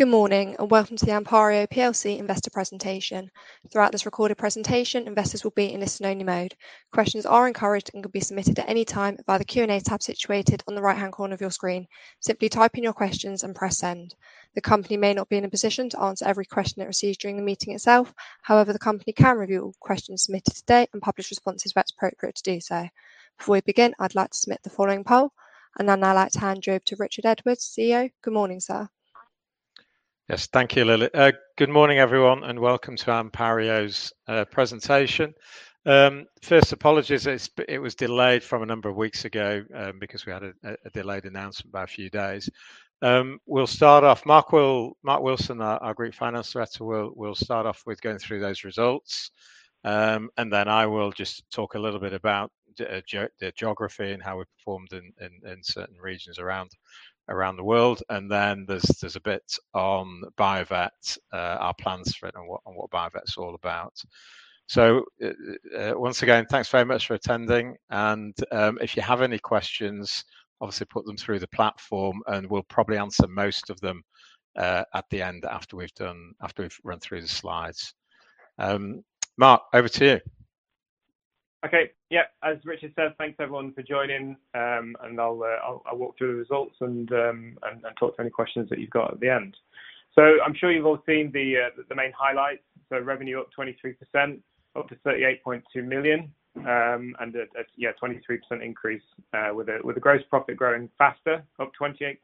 Good morning, and welcome to the Anpario plc investor presentation. Throughout this recorded presentation, investors will be in a listen-only mode. Questions are encouraged and can be submitted at any time via the Q&A tab situated on the right-hand corner of your screen. Simply type in your questions and press send. The company may not be in a position to answer every question it receives during the meeting itself. However, the company can review all questions submitted today and publish responses where it's appropriate to do so. Before we begin, I'd like to submit the following poll, and then I'd like to hand you over to Richard Edwards, CEO. Good morning, sir. Yes. Thank you, Lily. Good morning, everyone, and welcome to Anpario's presentation. First, apologies it was delayed from a number of weeks ago, because we had a delayed announcement by a few days. We'll start off. Marc Wilson, our Group Finance Director, will start off with going through those results. I will just talk a little bit about the geography and how we performed in certain regions around the world. There's a bit on Bio-Vet, our plans for it and what Bio-Vet's all about. Once again, thanks very much for attending, and if you have any questions, obviously put them through the platform and we'll probably answer most of them at the end after we've run through the slides. Marc, over to you. Okay. Yeah. As Richard said, thanks everyone for joining, and I'll walk through the results and talk to any questions that you've got at the end. I'm sure you've all seen the main highlights. Revenue up 23%, up to 38.2 million, and a 23% increase, with the gross profit growing faster, up 28%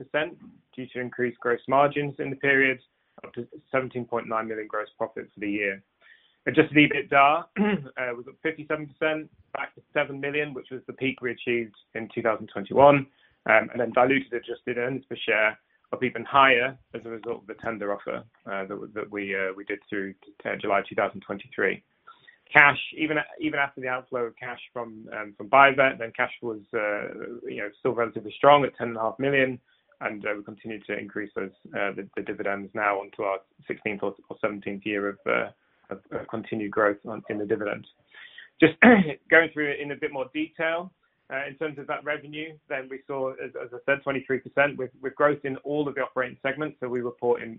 due to increased gross margins in the period, up to 17.9 million gross profit for the year. Adjusted EBITDA, we've got 57% back to 7 million, which was the peak we achieved in 2021. And then diluted adjusted earnings per share up even higher as a result of the tender offer that we did through July 2023. Cash, even after the outflow of cash from Bio-Vet, you know, still relatively strong at 10.5 million, and we continued to increase the dividends now onto our sixteenth or seventeenth year of continued growth in the dividend. Just going through in a bit more detail, in terms of that revenue, we saw, as I said, 23% with growth in all of the operating segments that we report in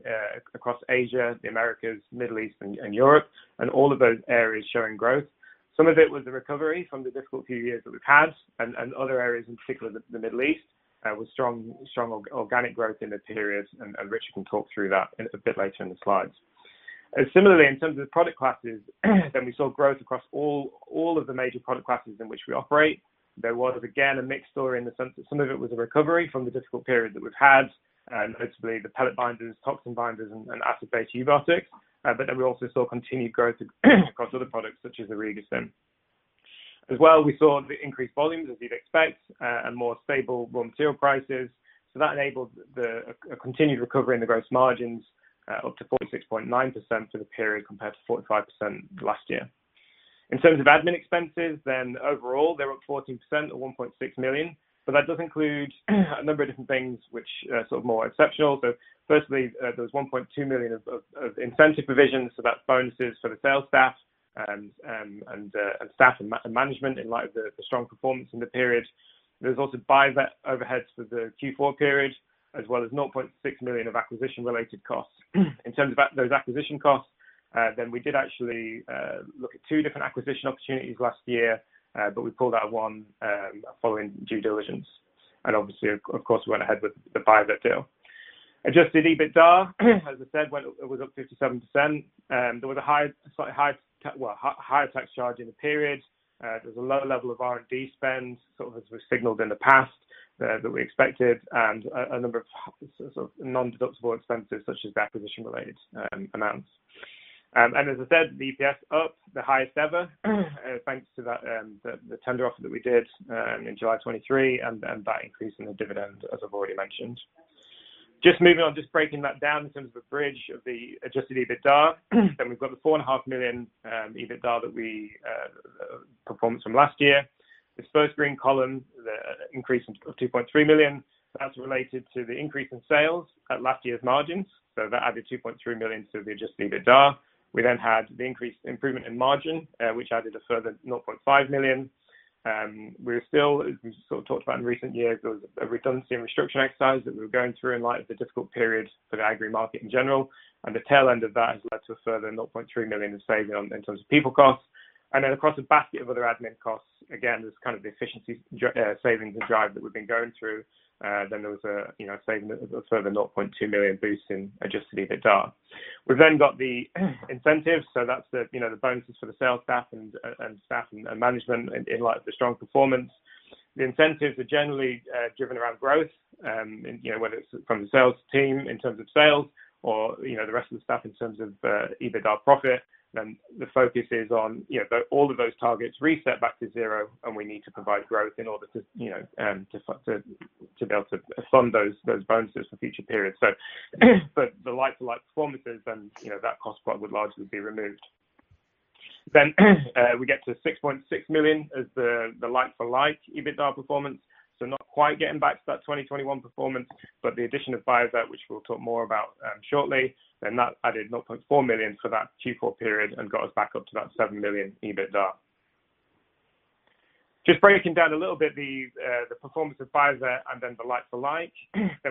across Asia, the Americas, Middle East and Europe, and all of those areas showing growth. Some of it was the recovery from the difficult few years that we've had and other areas, in particular the Middle East, with strong organic growth in that period, and Richard can talk through that a bit later in the slides. Similarly, in terms of product classes, we saw growth across all of the major product classes in which we operate. There was again a mixed story in the sense that some of it was a recovery from the difficult period that we've had, notably the pellet binders, toxin binders and acid-based eubiotics. We also saw continued growth across other products such as Orego-Stim. As well, we saw the increased volumes, as you'd expect, and more stable raw material prices. That enabled the continued recovery in the gross margins up to 46.9% for the period compared to 45% last year. In terms of admin expenses, overall, they were up 14% at 1.6 million, but that does include a number of different things which are sort of more exceptional. Firstly, there was 1.2 million of incentive provisions, so that's bonuses for the sales staff and management in light of the strong performance in the period. There was also Bio-Vet overheads for the Q4 period, as well as 0.6 million of acquisition-related costs. In terms of those acquisition costs, we did actually look at 2 different acquisition opportunities last year, but we pulled out of one following due diligence. Obviously, of course, we went ahead with the Bio-Vet deal. Adjusted EBITDA, as I said, it was up 57%. There was a high tax charge in the period. There was a low level of R&D spend, sort of as we've signaled in the past, that we expected, and a number of sort of non-deductible expenses such as the acquisition related amounts. As I said, the EPS up the highest ever, thanks to that, the tender offer that we did in July 2023 and that increase in the dividend, as I've already mentioned. Just moving on, just breaking that down in terms of the bridge of the adjusted EBITDA, then we've got the 4.5 million EBITDA that we performed from last year. This first green column, the increase of 2.3 million, that's related to the increase in sales at last year's margins. That added 2.3 million to the Adjusted EBITDA. We had the increased improvement in margin, which added a further 0.5 million. We're still, as we sort of talked about in recent years, there was a redundancy and restructure exercise that we were going through in light of the difficult period for the agri market in general. The tail end of that has led to a further 0.3 million in saving on, in terms of people costs. Then across a basket of other admin costs, again, there's kind of the efficiency savings and drive that we've been going through. There was a, you know, saving, a further 0.2 million boost in Adjusted EBITDA. We've then got the incentives, so that's the, you know, the bonuses for the sales staff and staff and management in light of the strong performance. The incentives are generally driven around growth, and, you know, whether it's from the sales team in terms of sales or, you know, the rest of the staff in terms of EBITDA profit. The focus is on, you know, all of those targets reset back to zero, and we need to provide growth in order to, you know, to be able to fund those bonuses for future periods. For the like-for-like performances then, you know, that cost part would largely be removed. We get to 6.6 million as the like-for-like EBITDA performance. Not quite getting back to that 2021 performance, but the addition of Bio-Vet, which we'll talk more about shortly, added 0.4 million for that Q4 period and got us back up to that 7 million in EBITDA. Just breaking down a little bit the performance of Bio-Vet and then the like-for-like.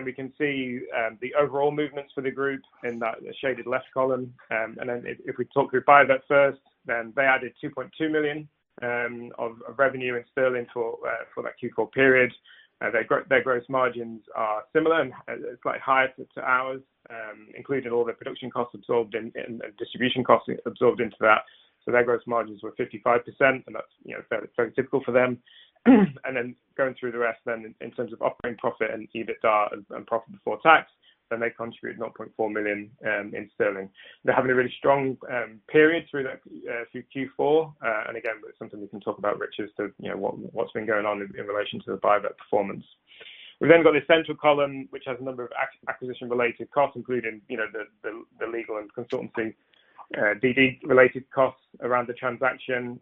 We can see the overall movements for the group in that shaded left column. We talk through Bio-Vet first, they added 2.2 million of revenue in sterling for that Q4 period. Their gross margins are similar and slightly higher to ours, including all their production costs absorbed and distribution costs absorbed into that. Their gross margins were 55%, and that's, you know, very, very typical for them. Going through the rest in terms of operating profit and EBITDA and profit before tax, then they contributed 0.4 million sterling. They're having a really strong period through that through Q4. Again, something we can talk about, Richard, so, you know, what's been going on in relation to the Bio-Vet performance. We've then got this central column, which has a number of acquisition-related costs, including, you know, the legal and consultancy DD-related costs around the transaction,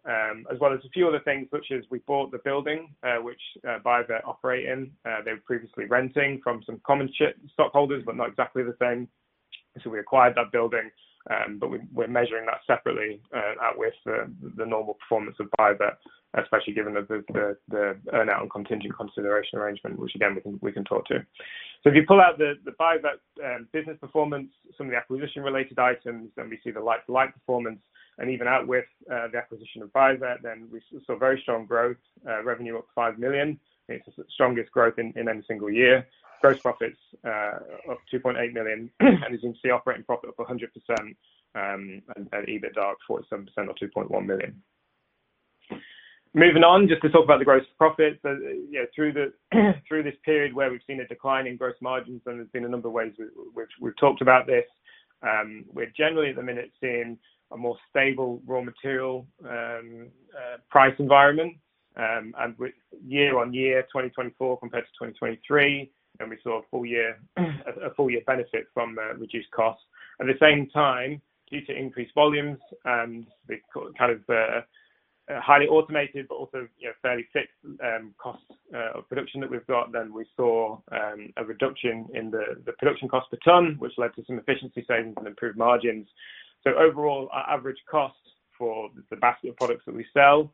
as well as a few other things, such as we bought the building which Bio-Vet operate in. They were previously renting from some common stockholders, but not exactly the same. We acquired that building, but we're measuring that separately outwith the earn-out and contingent consideration arrangement, which again, we can talk to. If you pull out the Bio-Vet business performance, some of the acquisition-related items, then we see the like-for-like performance and even outwith the acquisition of Bio-Vet then we saw very strong growth, revenue up 5 million. It's the strongest growth in any single year. Gross profits up 2.8 million, and you can see operating profit up 100%, and EBITDA at 47% or 2.1 million. Moving on just to talk about the gross profit. You know, through this period where we've seen a decline in gross margins, and there's been a number of ways we've talked about this, we're generally at the minute seeing a more stable raw material price environment, and with year-over-year 2024 compared to 2023, and we saw a full year benefit from the reduced costs. At the same time, due to increased volumes and the kind of highly automated but also, you know, fairly fixed costs of production that we've got, then we saw a reduction in the production cost per ton, which led to some efficiency savings and improved margins. Overall, our average cost for the basket of products that we sell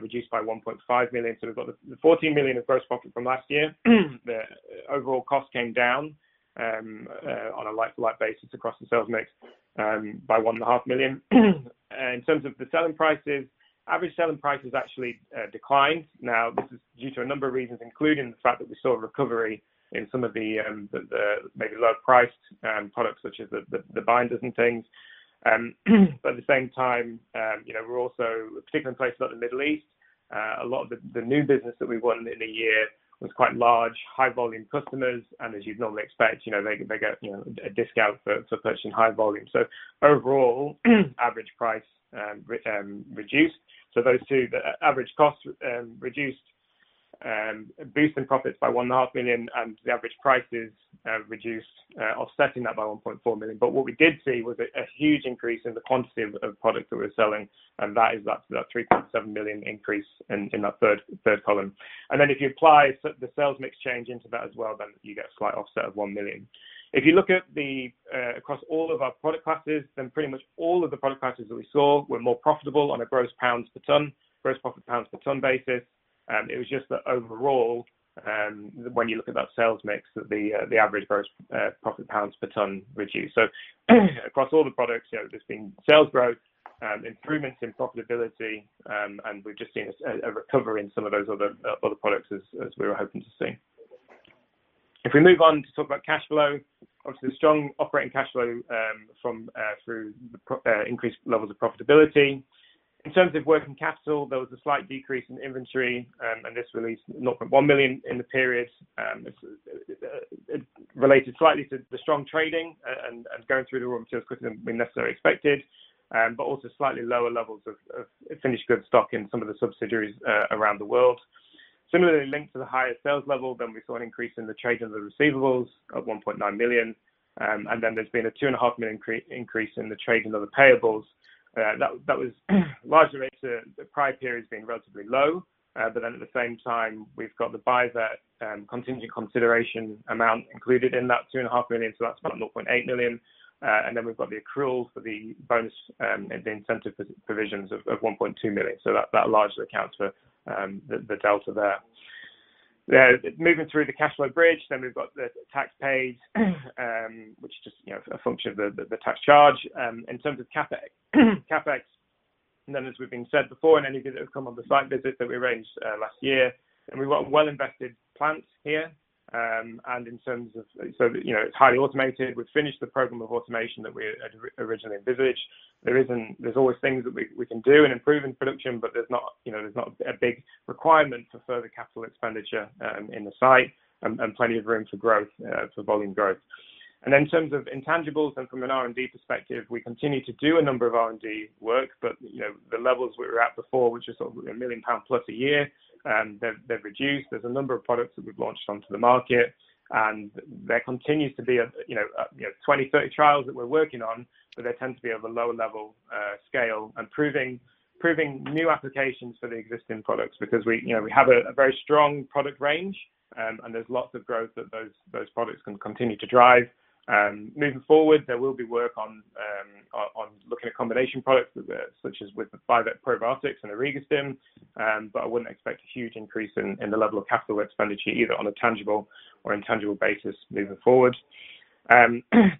reduced by 1.5 million. We've got the 14 million of gross profit from last year. The overall cost came down on a like-for-like basis across the sales mix by 1.5 million. In terms of the selling prices, average selling prices actually declined. Now, this is due to a number of reasons, including the fact that we saw a recovery in some of the maybe lower priced products such as the binders and things. But at the same time, you know, we're also particularly in places like the Middle East, a lot of the new business that we won in the year was quite large, high volume customers, and as you'd normally expect, you know, they get a discount for purchasing high volume. Overall, average price reduced. Those two, the average cost reduction boosted profits by 1.5 million and the average price reduction offsetting that by 1.4 million. What we did see was a huge increase in the quantity of products that we're selling, and that is that 3.7 million increase in that third column. Then if you apply the sales mix change into that as well, then you get a slight offset of 1 million. If you look across all of our product classes, then pretty much all of the product classes that we saw were more profitable on a gross profit pounds per ton basis. It was just that overall, when you look at that sales mix, that the average gross profit pounds per ton reduced. Across all the products, you know, there's been sales growth, improvements in profitability, and we've just seen a recovery in some of those other products as we were hoping to see. If we move on to talk about cash flow, obviously a strong operating cash flow from increased levels of profitability. In terms of working capital, there was a slight decrease in inventory, and this released 0.1 million in the period. It's related slightly to the strong trading and going through the raw materials quicker than we necessarily expected, but also slightly lower levels of finished goods stock in some of the subsidiaries around the world. Similarly linked to the higher sales level, we saw an increase in the trade and other receivables of 1.9 million. There's been a 2.5 million increase in the trade and other payables. That was largely due to the prior period having been relatively low. At the same time, we've got the Bio-Vet contingent consideration amount included in that 2.5 million, so that's about 0.8 million. We've got the accrual for the bonus, the incentive provisions of 1.2 million. That largely accounts for the delta there. Moving through the cash flow bridge, we've got the tax paid, which is just, you know, a function of the tax charge. In terms of CapEx, and then as we've been said before, and any of you that have come on the site visit that we arranged last year, and we want well-invested plants here. You know, it's highly automated. We've finished the program of automation that we originally envisaged. There's always things that we can do and improve in production, but you know, there's not a big requirement for further capital expenditure in the site, and plenty of room for growth for volume growth. Then in terms of intangibles and from an R&D perspective, we continue to do a number of R&D work, but, you know, the levels we were at before, which is sort of 1 million pound plus a year, they've reduced. There's a number of products that we've launched onto the market, and there continues to be a, you know, 20, 30 trials that we're working on, but they tend to be of a lower level, scale and proving new applications for the existing products because we, you know, we have a very strong product range, and there's lots of growth that those products can continue to drive. Moving forward, there will be work on looking at combination products such as with the Bio-Vet probiotics and Orego-Stim, but I wouldn't expect a huge increase in the level of capital expenditure either on a tangible or intangible basis moving forward.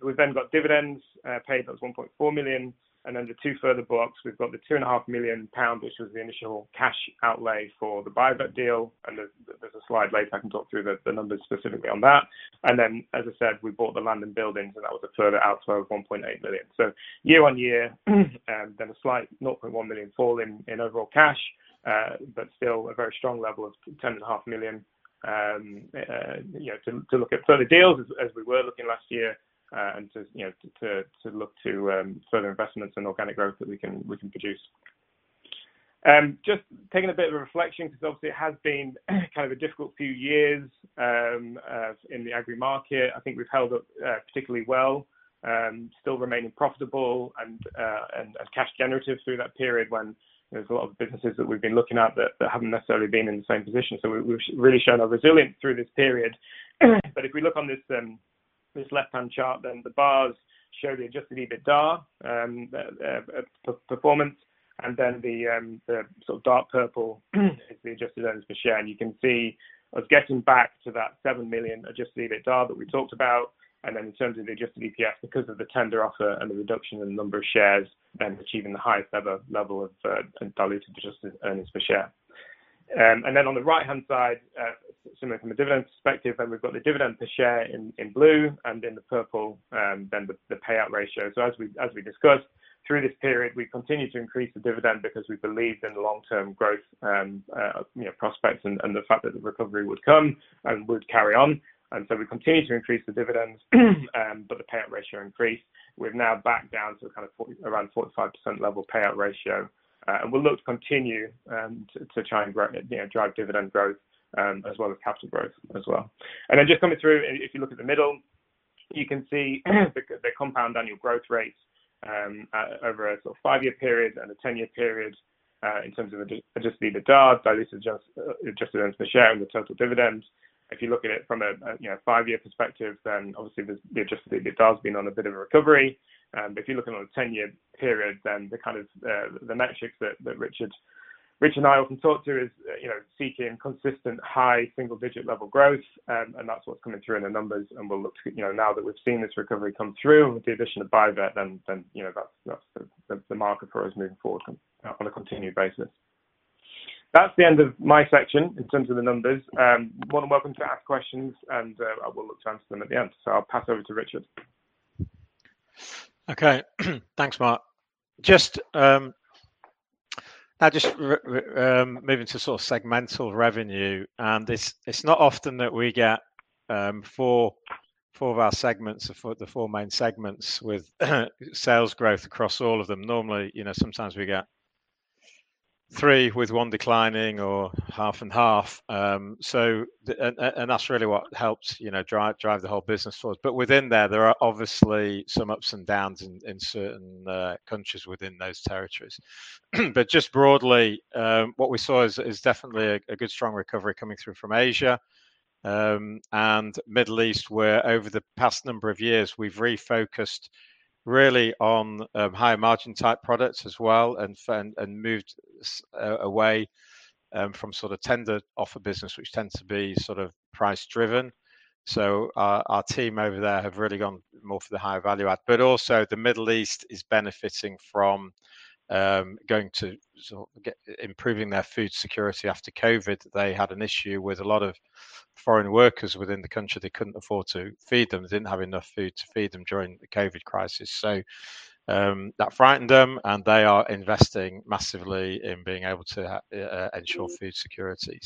We've then got dividends paid, that was 1.4 million. Then the two further blocks, we've got the 2.5 million pound which was the initial cash outlay for the Bio-Vet deal and there's a slide later I can talk through the numbers specifically on that. Then as I said, we bought the London buildings and that was a further outflow of 1.8 million. Year on year, then a slight 0.1 million fall in overall cash, but still a very strong level of 10.5 million, you know, to look at further deals as we were looking last year, and to look to further investments and organic growth that we can produce. Just taking a bit of a reflection because obviously it has been kind of a difficult few years in the agri market. I think we've held up particularly well, still remaining profitable and cash generative through that period when there's a lot of businesses that we've been looking at that haven't necessarily been in the same position. We've really shown our resilience through this period. If we look on this left-hand chart, the bars show the Adjusted EBITDA by performance, and then the sort of dark purple is the adjusted earnings per share. You can see us getting back to that 7 million Adjusted EBITDA that we talked about. In terms of the adjusted EPS because of the tender offer and the reduction in the number of shares, achieving the highest ever level of diluted adjusted earnings per share. On the right-hand side, similar from a dividend perspective, we've got the dividend per share in blue and in purple, then the payout ratio. As we discussed through this period we continued to increase the dividend because we believed in the long-term growth, you know, prospects and the fact that the recovery would come and would carry on. We continued to increase the dividends, but the payout ratio increased. We've now backed down to kind of around 45% level payout ratio, and we'll look to continue to try and grow, you know, drive dividend growth as well as capital growth as well. Just coming through if you look at the middle you can see the compound annual growth rate over a sort of five-year period and a 10-year period in terms of Adjusted EBITDA, diluted adjusted earnings per share and the total dividends. If you look at it from a you know, five-year perspective then obviously the Adjusted EBITDA has been on a bit of a recovery. But if you're looking on a 10-year period then the kind of the metrics that Richard, Rich and I often talk to is you know, seeking consistent high single-digit level growth, and that's what's coming through in the numbers and we'll look to you know, now that we've seen this recovery come through with the addition of Bio-Vet then that's the marker for us moving forward on a continued basis. That's the end of my section in terms of the numbers. More than welcome to ask questions and I will look to answer them at the end. I'll pass over to Richard. Okay. Thanks, Marc. Just now moving to sort of segmental revenue. It's not often that we get four of our segments, the four main segments with sales growth across all of them. Normally, you know, sometimes we get three with one declining or half and half. That's really what helps, you know, drive the whole business for us. Within there are obviously some ups and downs in certain countries within those territories. Just broadly, what we saw is definitely a good strong recovery coming through from Asia and Middle East where over the past number of years we've refocused really on higher margin type products as well and found. Moved away from sort of tender offer business which tend to be sort of price driven. Our team over there have really gone more for the higher value add. The Middle East is benefiting from improving their food security after COVID. They had an issue with a lot of foreign workers within the country. They couldn't afford to feed them, didn't have enough food to feed them during the COVID crisis. That frightened them and they are investing massively in being able to ensure food security.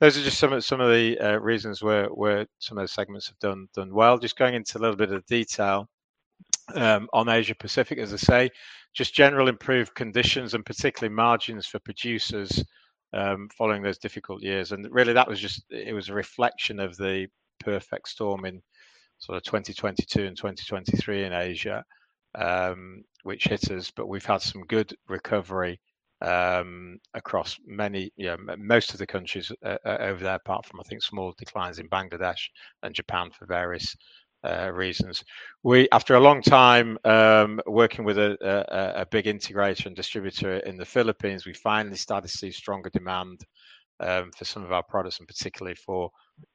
Those are just some of the reasons where some of those segments have done well. Just going into a little bit of detail on Asia Pacific as I say, just general improved conditions and particularly margins for producers, following those difficult years. Really that was just, it was a reflection of the perfect storm in sort of 2022 and 2023 in Asia, which hit us but we've had some good recovery across many, you know, most of the countries over there apart from I think small declines in Bangladesh and Japan for various reasons. After a long time working with a big integrator and distributor in the Philippines, we finally started to see stronger demand for some of our products and particularly for,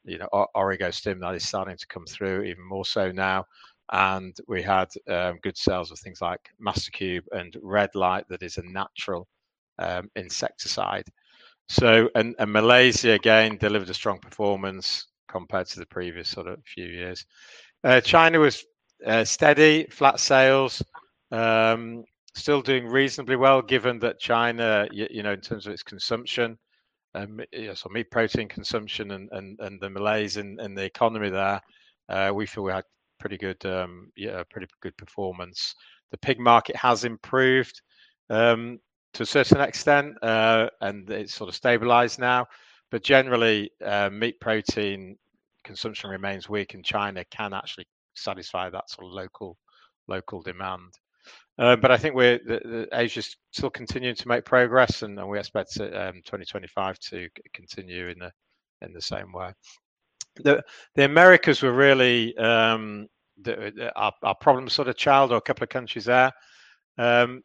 you know, Orego-Stim that is starting to come through even more so now and we had good sales of things like Mastercube and Red Lite that is a natural insecticide. Malaysia again delivered a strong performance compared to the previous sort of few years. China was steady, flat sales, still doing reasonably well given that China, you know, in terms of its consumption, you know, so meat protein consumption and the malaise in the economy there, we feel we had pretty good performance. The pig market has improved to a certain extent and it's sort of stabilized now. Generally, meat protein consumption remains weak and China can actually satisfy that sort of local demand. I think the Asia's still continuing to make progress and we expect it 2025 to continue in the same way. The Americas were really our problem child or a couple of countries there.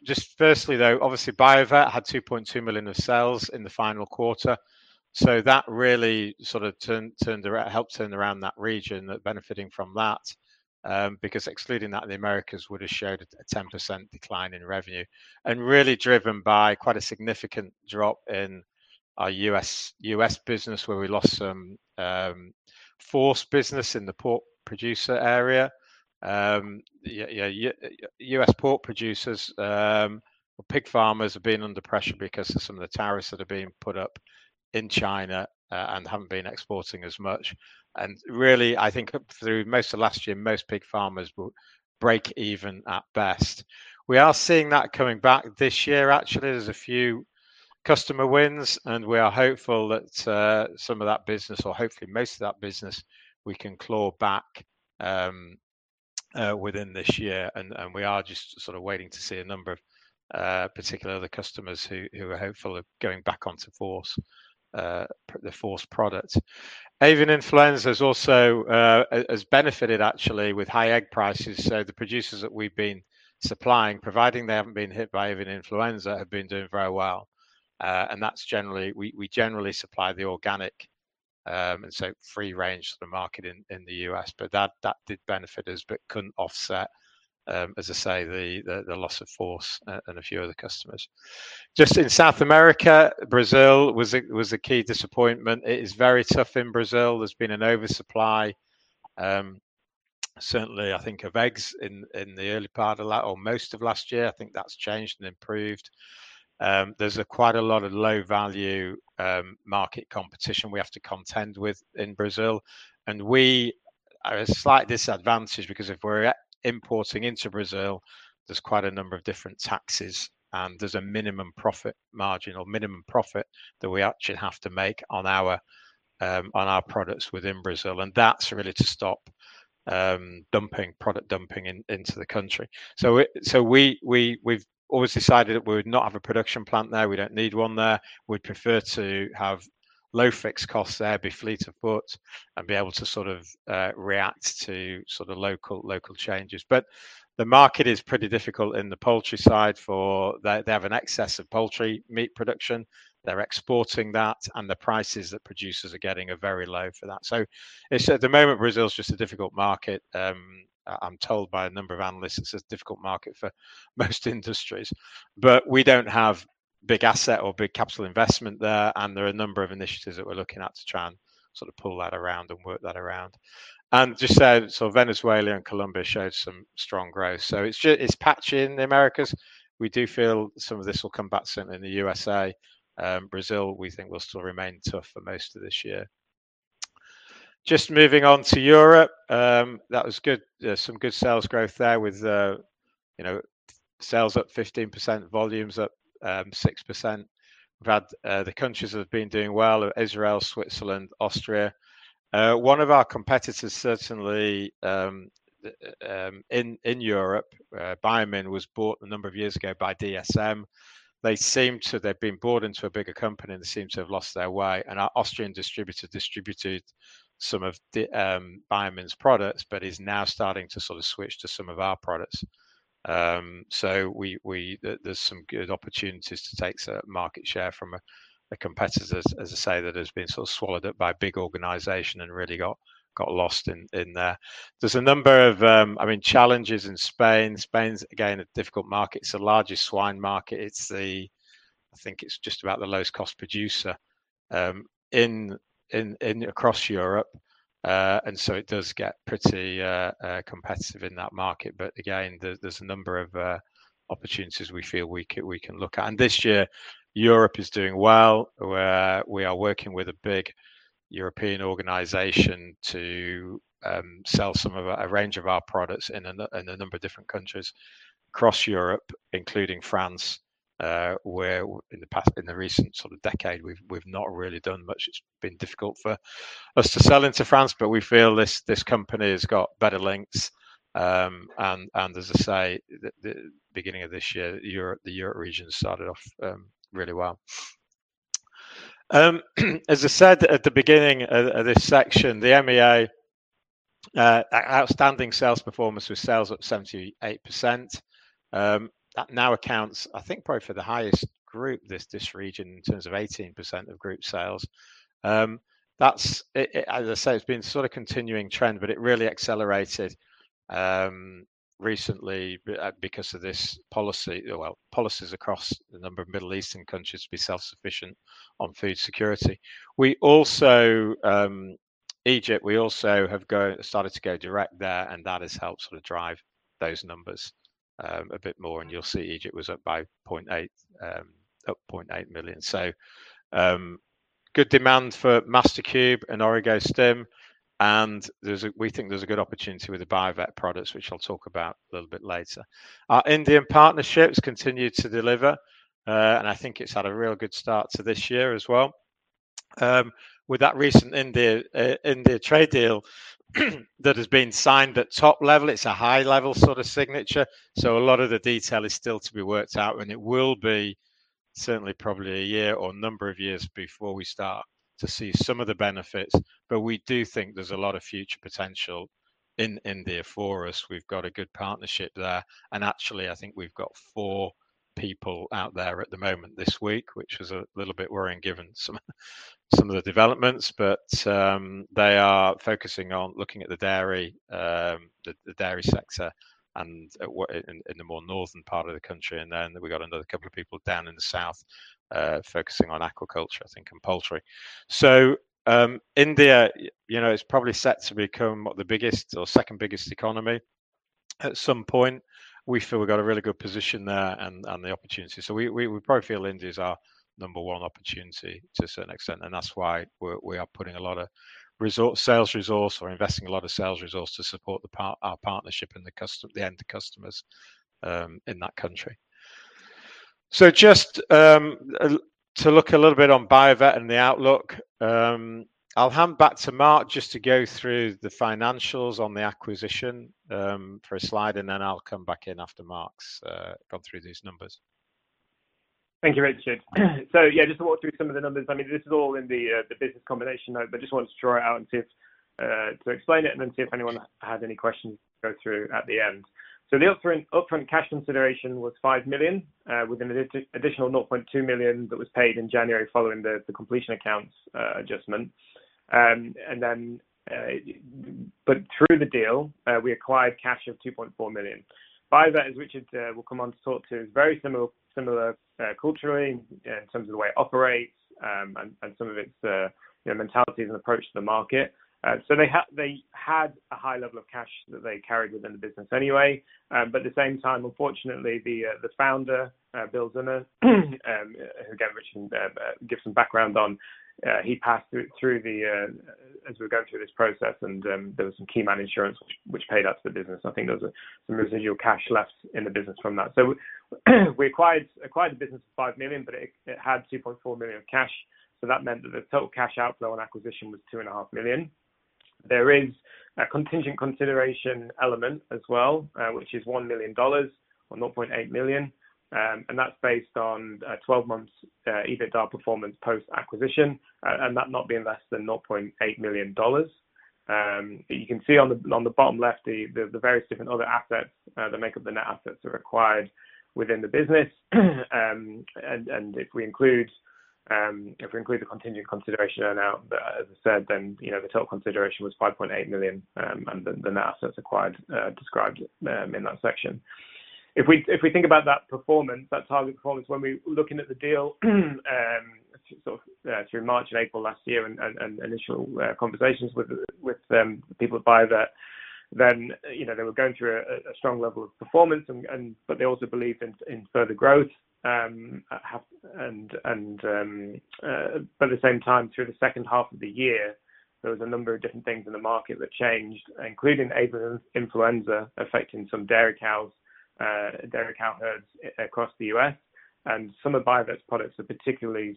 Just firstly though, obviously Bio-Vet had 2.2 million of sales in the final quarter. So that really sort of turned around, helped turn around that region that's benefiting from that. Because excluding that, the Americas would have showed a 10% decline in revenue. Really driven by quite a significant drop in our U.S. business, where we lost some pHorce business in the pork producer area. U.S. pork producers or pig farmers have been under pressure because of some of the tariffs that are being put up in China and haven't been exporting as much. Really, I think through most of last year, most pig farmers will break even at best. We are seeing that coming back this year, actually. There's a few customer wins, and we are hopeful that some of that business, or hopefully most of that business, we can claw back within this year. We are just sort of waiting to see a number of particular other customers who are hopeful of going back onto pHorce, the pHorce product. Avian influenza has also benefited actually with high egg prices. The producers that we've been supplying, providing they haven't been hit by avian influenza, have been doing very well. We generally supply the organic and free range to the market in the U.S. That did benefit us, but couldn't offset, as I say, the loss of Force and a few other customers. Just in South America, Brazil was a key disappointment. It is very tough in Brazil. There's been an oversupply, certainly I think of eggs in the early part of last or most of last year. I think that's changed and improved. There's quite a lot of low-value market competition we have to contend with in Brazil, and we are at a slight disadvantage because if we're importing into Brazil, there's quite a number of different taxes, and there's a minimum profit margin or minimum profit that we actually have to make on our products within Brazil. That's really to stop dumping, product dumping into the country. We've always decided that we would not have a production plant there. We don't need one there. We'd prefer to have low fixed costs there, be fleet of foot, and be able to sort of react to sort of local changes. The market is pretty difficult in the poultry side for they have an excess of poultry meat production. They're exporting that, and the prices that producers are getting are very low for that. At the moment, Brazil is just a difficult market. I'm told by a number of analysts it's a difficult market for most industries, but we don't have big asset or big capital investment there. There are a number of initiatives that we're looking at to try and sort of pull that around and work that around. Venezuela and Colombia showed some strong growth. It's patchy in the Americas. We do feel some of this will come back soon in the USA. Brazil, we think will still remain tough for most of this year. Just moving on to Europe, that was good. There's some good sales growth there with you know, sales up 15%, volumes up 6%. We've had the countries that have been doing well, Israel, Switzerland, Austria. One of our competitors, certainly, in Europe, Biomin, was bought a number of years ago by DSM. They've been bought into a bigger company, and they seem to have lost their way. Our Austrian distributor distributed some of the Biomin's products, but is now starting to sort of switch to some of our products. We see there's some good opportunities to take some market share from a competitor, as I say, that has been sort of swallowed up by a big organization and really got lost in there. There's a number of, I mean, challenges in Spain. Spain's, again, a difficult market. It's the largest swine market. It's the, I think it's just about the lowest cost producer in across Europe. It does get pretty competitive in that market. Again, there's a number of opportunities we feel we can look at. This year, Europe is doing well, where we are working with a big European organization to sell some of a range of our products in a number of different countries across Europe, including France, where in the past, in the recent sort of decade, we've not really done much. It's been difficult for us to sell into France, but we feel this company has got better links. As I say, the beginning of this year, Europe, the Europe region started off really well. As I said at the beginning of this section, the MEA outstanding sales performance with sales up 78%, that now accounts, I think probably for the highest group, this region, in terms of 18% of group sales. That's it, as I say, it's been sort of continuing trend, but it really accelerated recently because of this policy, well, policies across a number of Middle Eastern countries to be self-sufficient on food security. We also Egypt, we also have started to go direct there, and that has helped sort of drive those numbers a bit more. You'll see Egypt was up by point eight million. Good demand for Mastercube and Orego-Stim, and we think there's a good opportunity with the Bio-Vet products, which I'll talk about a little bit later. Our Indian partnerships continue to deliver, and I think it's had a real good start to this year as well. With that recent India trade deal that has been signed at top level, it's a high-level sort of signature, so a lot of the detail is still to be worked out, and it will be, certainly, probably a year or a number of years before we start to see some of the benefits, but we do think there's a lot of future potential in India for us. We've got a good partnership there, and actually, I think we've got four people out there at the moment this week, which was a little bit worrying given some of the developments. They are focusing on looking at the dairy sector in the more northern part of the country. We got another couple of people down in the south, focusing on aquaculture, I think, and poultry. India, you know, is probably set to become the biggest or second-biggest economy at some point. We feel we've got a really good position there and the opportunity. We probably feel India is our number one opportunity to a certain extent, and that's why we are putting a lot of sales resource or investing a lot of sales resource to support our partnership and the end customers in that country. Just to look a little bit on Bio-Vet and the outlook, I'll hand back to Marc just to go through the financials on the acquisition, for a slide, and then I'll come back in after Marc's gone through these numbers. Thank you, Richard. Yeah, just to walk through some of the numbers. I mean, this is all in the business combination note, but just wanted to draw it out and see if to explain it and then see if anyone has any questions to go through at the end. The upfront cash consideration was 5 million with an additional 0.2 million that was paid in January following the completion accounts adjustment. But through the deal, we acquired cash of 2.4 million. Bio-Vet, as Richard will come on to talk to, is very similar culturally in terms of the way it operates, and some of its you know mentalities and approach to the market. They had a high level of cash that they carried within the business anyway. But at the same time, unfortunately, the founder, William Zimmer, again, Richard, give some background on, he passed away as we were going through this process and there was some key man insurance which paid out to the business. I think there was some residual cash left in the business from that. We acquired the business for 5 million, but it had 2.4 million of cash. That meant that the total cash outflow on acquisition was 2.5 million. There is a contingent consideration element as well, which is $1 million or 0.8 million. That's based on 12 months EBITDA performance post-acquisition, and that not being less than $0.8 million. You can see on the bottom left the various different other assets that make up the net assets that are acquired within the business. If we include the contingent consideration earn-out, as I said then, you know, the total consideration was $5.8 million, and the net assets acquired described in that section. If we think about that performance, that target performance when we were looking at the deal, sort of, through March and April last year and initial conversations with people at Bio-Vet, then, you know, they were going through a strong level of performance and but they also believed in further growth. But at the same time, through the H2 of the year, there was a number of different things in the market that changed, including avian influenza affecting some dairy cow herds across the U.S. Some of Bio-Vet's products are particularly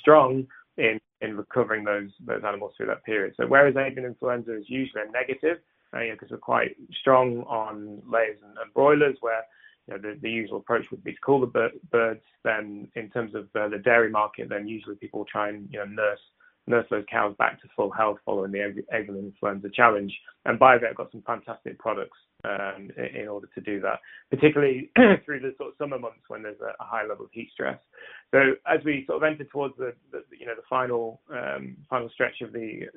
strong in recovering those animals through that period. Whereas avian influenza is usually a negative, you know, 'cause we're quite strong on layers and broilers where the usual approach would be to cull the birds then in terms of the dairy market, then usually people try and, you know, nurse those cows back to full health following the avian influenza challenge. Bio-Vet got some fantastic products in order to do that, particularly through the sort of summer months when there's a high level of heat stress. As we sort of entered towards the, you know, the final stretch of the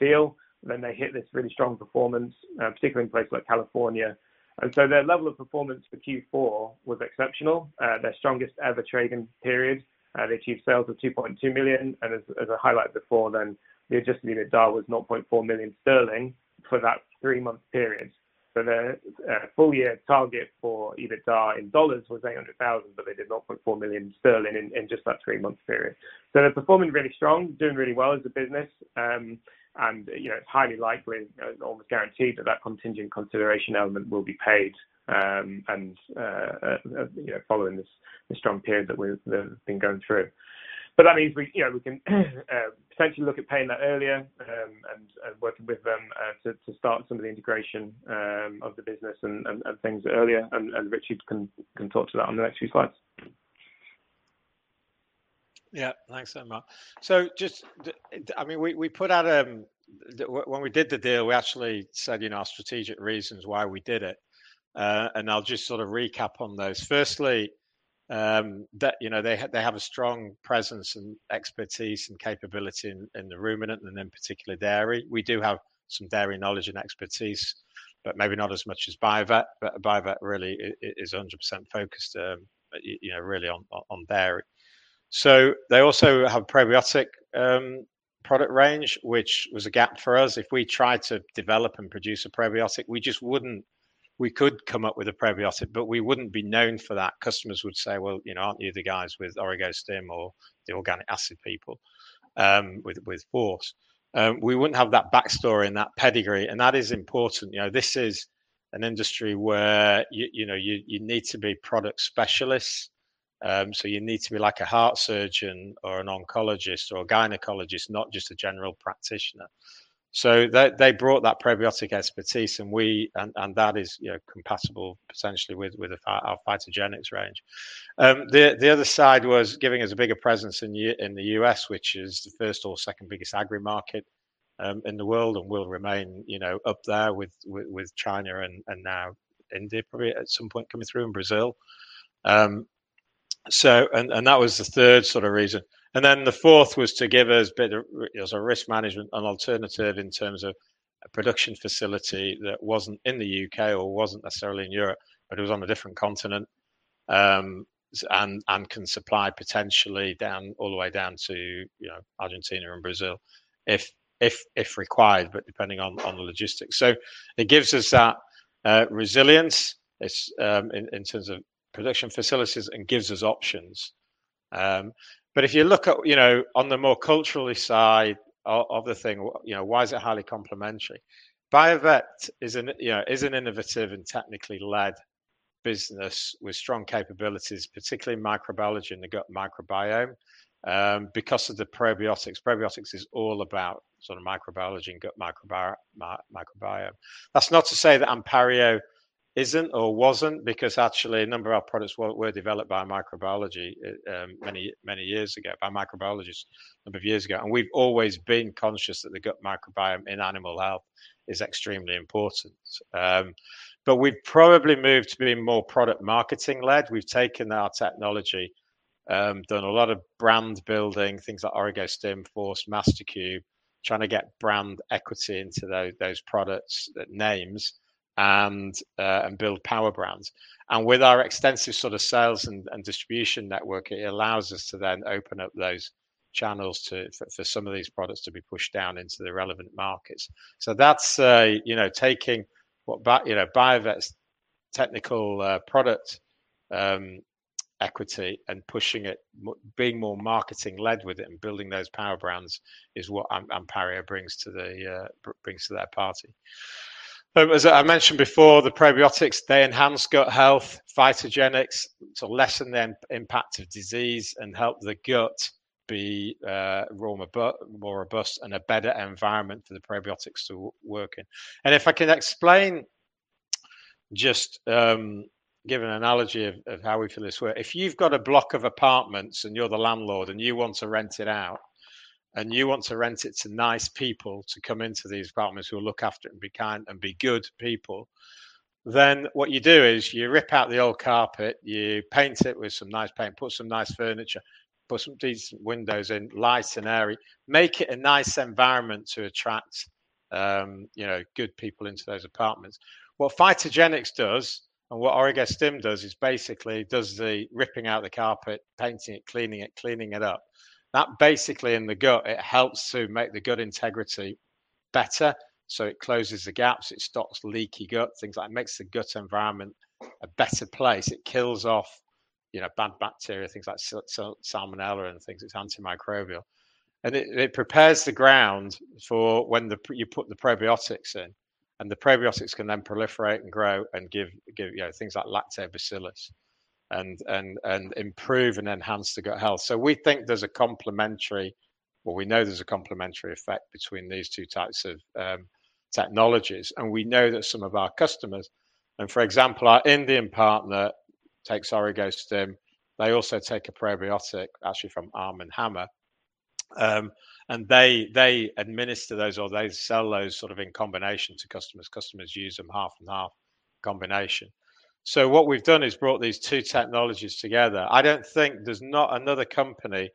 deal, then they hit this really strong performance, particularly in places like California. Their level of performance for Q4 was exceptional, their strongest ever trading period. They achieved sales of 2.2 million, and as I highlighted before then, the Adjusted EBITDA was 0.4 million sterling for that three-month period. The full year target for EBITDA in dollars was $800,000, but they did 0.4 million sterling in sterling in just that three-month period. They're performing really strong, doing really well as a business. You know, it's highly likely, you know, almost guaranteed that that contingent consideration element will be paid, and you know, following this strong period that we've been going through. That means we, you know, we can potentially look at paying that earlier, and working with them to start some of the integration of the business and things earlier, and Richard can talk to that on the next few slides. Yeah. Thanks so much. I mean, we put out, when we did the deal, we actually said, you know, our strategic reasons why we did it, and I'll just sort of recap on those. Firstly, you know, they have a strong presence and expertise and capability in the ruminant and then particularly dairy. We do have some dairy knowledge and expertise, but maybe not as much as Bio-Vet. But Bio-Vet really is 100% focused, you know, really on dairy. They also have a probiotic product range, which was a gap for us. If we tried to develop and produce a probiotic, we just wouldn't. We could come up with a probiotic, but we wouldn't be known for that. Customers would say, "Well, you know, aren't you the guys with Orego-Stim or the organic acid people, with pHorce?" We wouldn't have that backstory and that pedigree, and that is important. You know, this is an industry where you know, you need to be product specialists. So you need to be like a heart surgeon or an oncologist or a gynecologist, not just a general practitioner. They brought that probiotic expertise and that is, you know, compatible essentially with our phytogenics range. The other side was giving us a bigger presence in the U.S., which is the first or second biggest agri market in the world and will remain, you know, up there with China and now India probably at some point coming through, and Brazil. That was the third sort of reason. The fourth was to give us better, as a risk management, an alternative in terms of a production facility that wasn't in the U.K. or wasn't necessarily in Europe, but it was on a different continent, and can supply potentially down all the way down to, you know, Argentina and Brazil if required, but depending on the logistics. It gives us that resilience. It's in terms of production facilities and gives us options. But if you look at, you know, on the more cultural side of the thing, you know, why is it highly complementary? Bio-Vet is an innovative and technically led business with strong capabilities, particularly in microbiology and the gut microbiome because of the probiotics. Probiotics is all about microbiology and gut microbiome. That's not to say that Anpario isn't or wasn't, because actually a number of our products were developed by microbiologists many years ago. We've always been conscious that the gut microbiome in animal health is extremely important. We've probably moved to being more product marketing led. We've taken our technology, done a lot of brand building, things like Orego-Stim, pHorce, Mastercube, trying to get brand equity into those products, names and build power brands. With our extensive sales and distribution network, it allows us to open up those channels for some of these products to be pushed down into the relevant markets. That's taking what Bio-Vet's technical product equity and pushing it, being more marketing led with it and building those power brands is what Anpario brings to that party. As I mentioned before, the probiotics, they enhance gut health, phytogenics to lessen the impact of disease and help the gut be more robust and a better environment for the probiotics to work in. If I can explain, just give an analogy of how we feel this work. If you've got a block of apartments and you're the landlord, and you want to rent it out, and you want to rent it to nice people to come into these apartments who will look after it and be kind and be good people, then what you do is you rip out the old carpet, you paint it with some nice paint, put some nice furniture, put some decent windows in, light and airy, make it a nice environment to attract good people into those apartments. What Phytogenics does and what Orego-Stim does is basically the ripping out the carpet, painting it, cleaning it up. That basically in the gut, it helps to make the gut integrity better. It closes the gaps, it stops leaky gut, things like that. It makes the gut environment a better place. It kills off, you know, bad bacteria, things like Salmonella and things. It's antimicrobial. It prepares the ground for when you put the probiotics in, and the probiotics can then proliferate and grow and give, you know, things like Lactobacillus and improve and enhance the gut health. We know there's a complementary effect between these two types of technologies. We know that some of our customers, for example, our Indian partner takes Orego-Stim. They also take a probiotic actually from Arm & Hammer. They administer those, or they sell those sort of in combination to customers. Customers use them half and half combination. What we've done is brought these two technologies together. I don't think there's not another company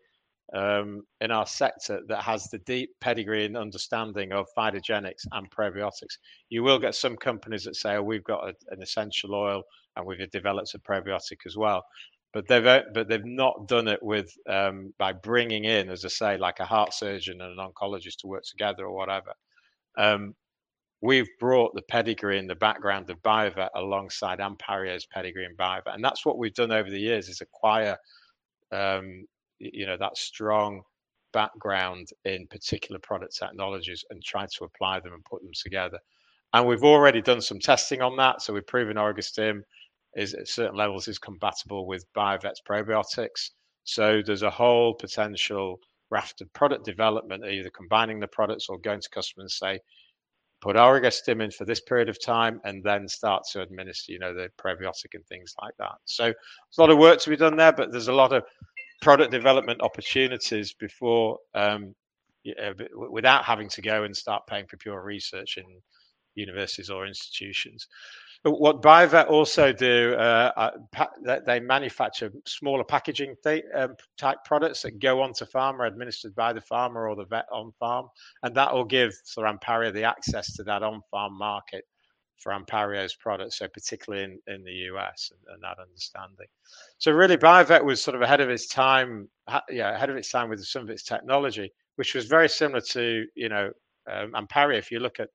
in our sector that has the deep pedigree and understanding of Phytogenics and Probiotics. You will get some companies that say, "Oh, we've got an essential oil, and we've developed a probiotic as well." They've not done it with, by bringing in, as I say, like a heart surgeon and an oncologist to work together or whatever. We've brought the pedigree and the background of Bio-Vet alongside Anpario's pedigree in Bio-Vet, and that's what we've done over the years is acquire, you know, that strong background in particular product technologies and try to apply them and put them together. We've already done some testing on that. We've proven Orego-Stim is, at certain levels, is compatible with Bio-Vet's probiotics. There's a whole potential raft of product development, either combining the products or going to customers and say, "Put Orego-Stim in for this period of time, and then start to administer, you know, the probiotic," and things like that. There's a lot of work to be done there, but there's a lot of product development opportunities before without having to go and start paying for pure research in universities or institutions. What Bio-Vet also do they manufacture smaller packaging things type products that go on to farmer, administered by the farmer or the vet on farm, and that will give sort of Anpario the access to that on-farm market for Anpario's products, particularly in the U.S. and that understanding. Really Bio-Vet was sort of ahead of its time with some of its technology, which was very similar to, you know, Anpario. If you look at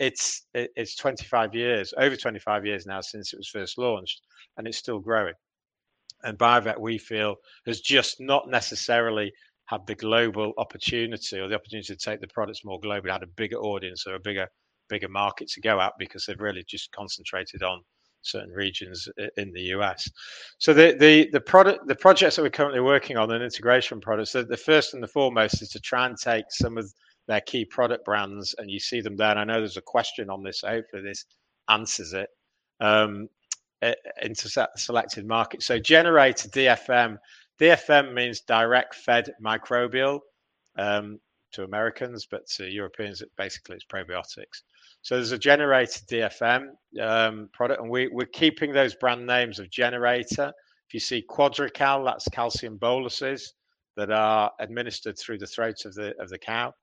Orego-Stim, it's 25 years, over 25 years now since it was first launched and it's still growing. Bio-Vet, we feel, has just not necessarily had the global opportunity or the opportunity to take the products more globally, had a bigger audience or a bigger market to go at because they've really just concentrated on certain regions in the US. The projects that we're currently working on in integration products are, the first and the foremost is to try and take some of their key product brands, and you see them there, and I know there's a question on this, hopefully this answers it, into selected markets. Generator DFM. DFM means Direct Fed Microbial to Americans, but to Europeans it basically is probiotics. There's a Generator DFM product, and we're keeping those brand names of Generator. If you see QuadriCal, that's calcium boluses that are administered through the throat of the cow,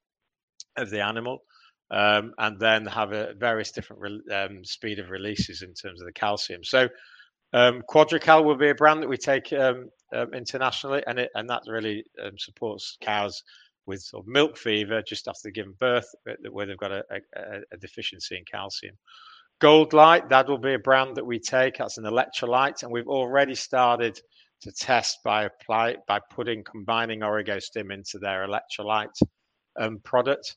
the animal, and then have various different speed of releases in terms of the calcium. QuadriCal will be a brand that we take internationally, and that really supports cows with sort of milk fever just after giving birth where they've got a deficiency in calcium. GoldLyte, that will be a brand that we take, that's an electrolyte, and we've already started to test by putting, combining Orego-Stim into their electrolyte product.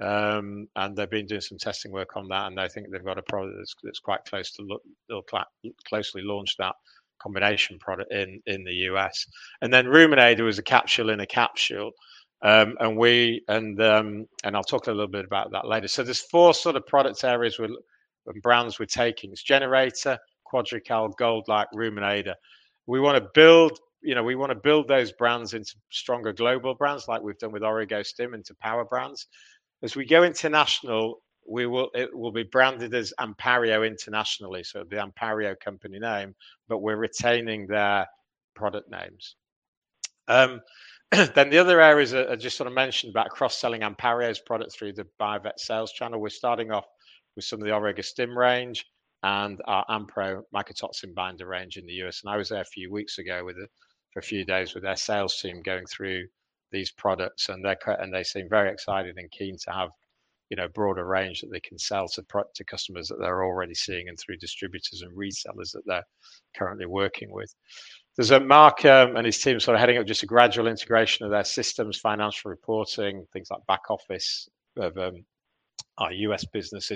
They've been doing some testing work on that, and I think they've got a product that's quite close to launch that combination product in the U.S. Then RumenAider is a capsule in a capsule, and I'll talk a little bit about that later. There's four sort of product areas, brands we're taking. There's Generator, QuadriCal, GoldLyte, RumenAider. We wanna build, you know, those brands into stronger global brands like we've done with Orego-Stim into power brands. As we go international, it will be branded as Anpario internationally, so it'll be Anpario company name, but we're retaining their product names. Then the other areas I just sort of mentioned about cross-selling Anpario's product through the Bio-Vet sales channel. We're starting off with some of the Orego-Stim range and our Anpro mycotoxin binder range in the U.S., and I was there a few weeks ago for a few days with their sales team going through these products and they seem very excited and keen to have, you know, broader range that they can sell to customers that they're already seeing and through distributors and resellers that they're currently working with. There's Marc and his team sort of heading up just a gradual integration of their systems, financial reporting, things like back office of our U.S. business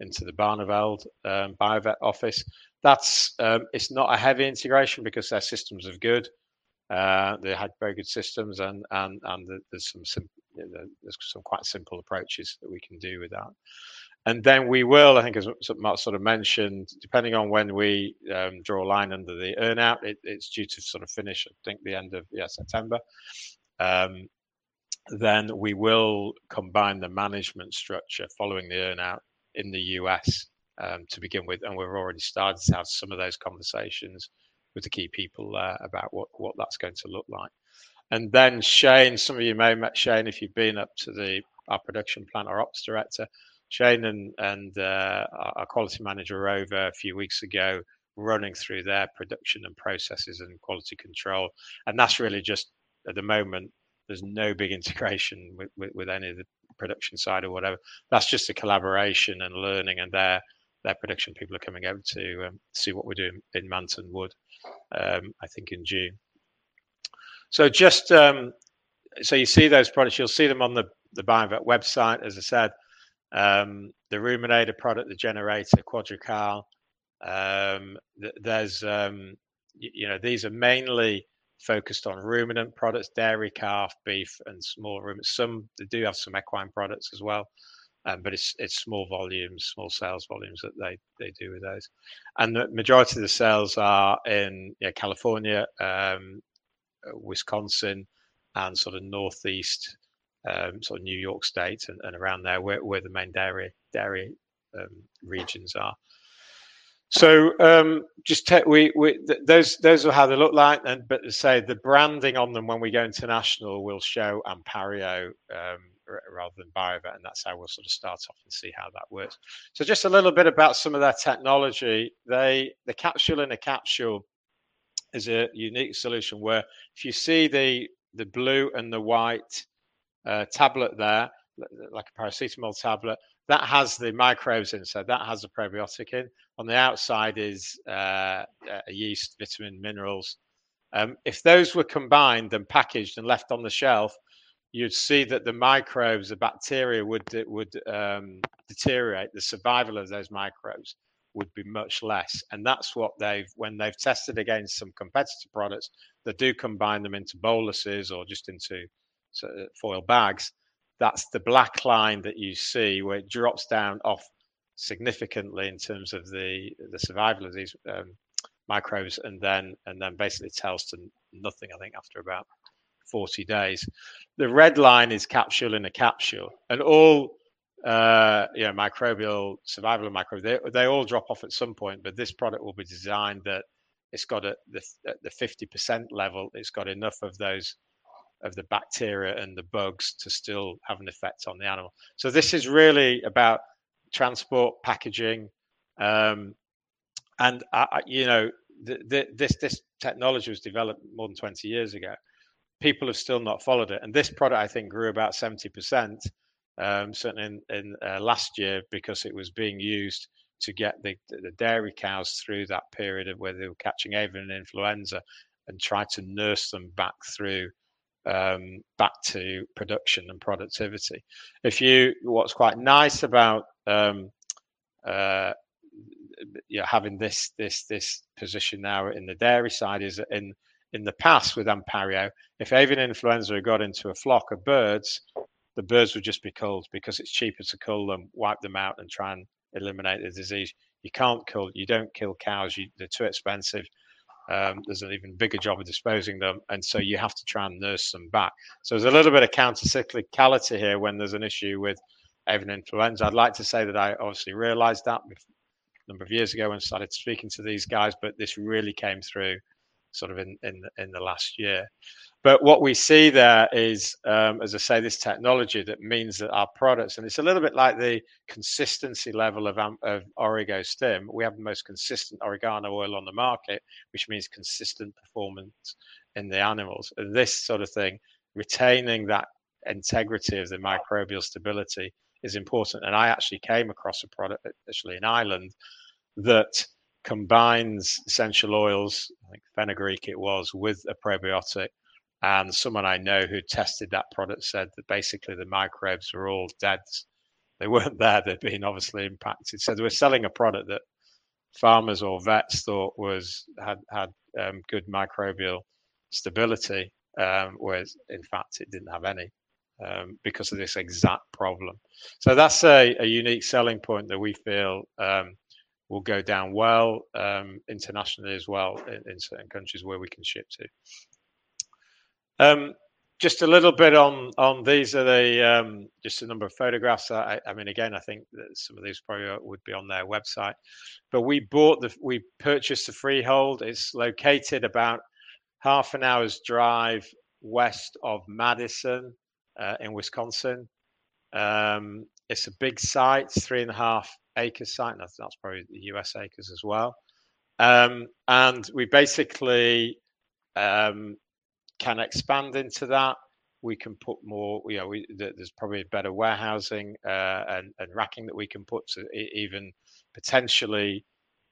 into the Barneveld Bio-Vet office. That's. It's not a heavy integration because their systems are good. They had very good systems and there's some you know, there's some quite simple approaches that we can do with that. Then we will, I think as Marc sort of mentioned, depending on when we draw a line under the earn-out, it's due to sort of finish, I think, the end of September. Then we will combine the management structure following the earn-out in the U.S., to begin with, and we've already started to have some of those conversations with the key people about what that's going to look like. Then Shane Bailey, some of you may have met Shane if you've been up to our production plant, our Operations Director. Shane and our quality manager were over a few weeks ago running through their production and processes and quality control, and that's really just at the moment, there's no big integration with any of the production side or whatever. That's just a collaboration and learning, and their production people are coming over to see what we're doing in Manton Wood, I think in June. You see those products, you'll see them on the Bio-Vet website. As I said, the RumenAider product, the Generator, QuadriCal. There's you know, these are mainly focused on ruminant products, dairy calf, beef, and small ruminants. Some, they do have some equine products as well, but it's small volumes, small sales volumes that they do with those. The majority of the sales are in California, Wisconsin, and sort of Northeast, sort of New York State and around there where the main dairy regions are. Those are how they look like and but as I say, the branding on them when we go international will show Anpario rather than Bio-Vet, and that's how we'll sort of start off and see how that works. Just a little bit about some of their technology. The capsule-in-a-capsule is a unique solution where if you see the blue and the white tablet there, like a paracetamol tablet, that has the microbes inside. That has the probiotic in. On the outside is a yeast, vitamin, minerals. If those were combined and packaged and left on the shelf, you'd see that the microbes, the bacteria would deteriorate. The survival of those microbes would be much less, and that's what they've tested against some competitor products that do combine them into boluses or just into sort of foil bags. That's the black line that you see where it drops down off significantly in terms of the survival of these microbes and then basically tails to nothing, I think, after about 40 days. The red line is capsule in a capsule, and all microbial survival of microbes, they all drop off at some point, but this product will be designed that it's got at the 50% level enough of those bacteria and the bugs to still have an effect on the animal. This is really about transport, packaging, and this technology was developed more than 20 years ago. People have still not followed it, and this product, I think, grew about 70%, certainly in last year because it was being used to get the dairy cows through that period where they were catching avian influenza and try to nurse them back to production and productivity. What's quite nice about, you know, having this position now in the dairy side is, in the past with Anpario, if avian influenza had got into a flock of birds, the birds would just be culled because it's cheaper to cull them, wipe them out, and try and eliminate the disease. You can't cull, you don't kill cows, they're too expensive. There's an even bigger job of disposing them, and so you have to try and nurse them back. There's a little bit of counter cyclicality here when there's an issue with avian influenza. I'd like to say that I obviously realized that a number of years ago when I started speaking to these guys, but this really came through sort of in the last year. What we see there is, as I say, this technology that means that our products, and it's a little bit like the consistency level of Orego-Stim. We have the most consistent oregano oil on the market, which means consistent performance in the animals. This sort of thing, retaining that integrity of the microbial stability is important. I actually came across a product, actually in Ireland, that combines essential oils, I think fenugreek it was, with a probiotic. Someone I know who tested that product said that basically the microbes were all dead. They weren't there. They'd been obviously impacted. They were selling a product that farmers or vets thought was, had good microbial stability, whereas in fact it didn't have any, because of this exact problem. That's a unique selling point that we feel will go down well internationally as well in certain countries where we can ship to. Just a little bit on these. These are just a number of photographs. I mean, again, I think that some of these probably would be on their website. We purchased a freehold. It's located about half an hour's drive west of Madison in Wisconsin. It's a big site, 3.5-acre site, and I think that's probably the U.S. acres as well. We basically can expand into that. We can put more, you know, there's probably a better warehousing and racking that we can put to even potentially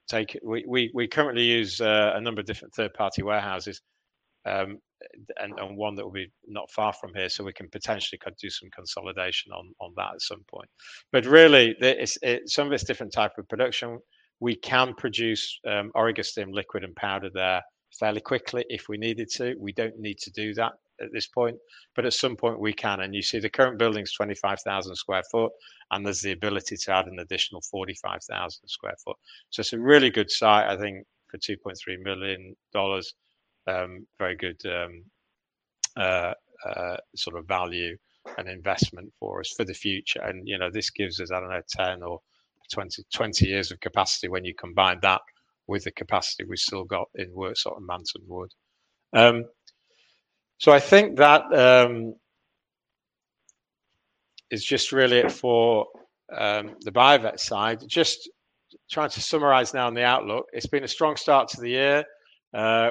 take. We currently use a number of different third-party warehouses, and one that will be not far from here, so we can potentially do some consolidation on that at some point. Really, some of it's different type of production. We can produce Orego-Stim liquid and powder there fairly quickly if we needed to. We don't need to do that at this point, but at some point we can. You see the current building's 25,000 sq ft, and there's the ability to add an additional 45,000 sq ft. It's a really good site, I think for $2.3 million, very good sort of value and investment for us for the future. You know, this gives us, I don't know, 10 or 20 years of capacity when you combine that with the capacity we've still got in Worksop and Manton Wood. So I think that is just really it for the Bio-Vet side. Just trying to summarize now on the outlook. It's been a strong start to the year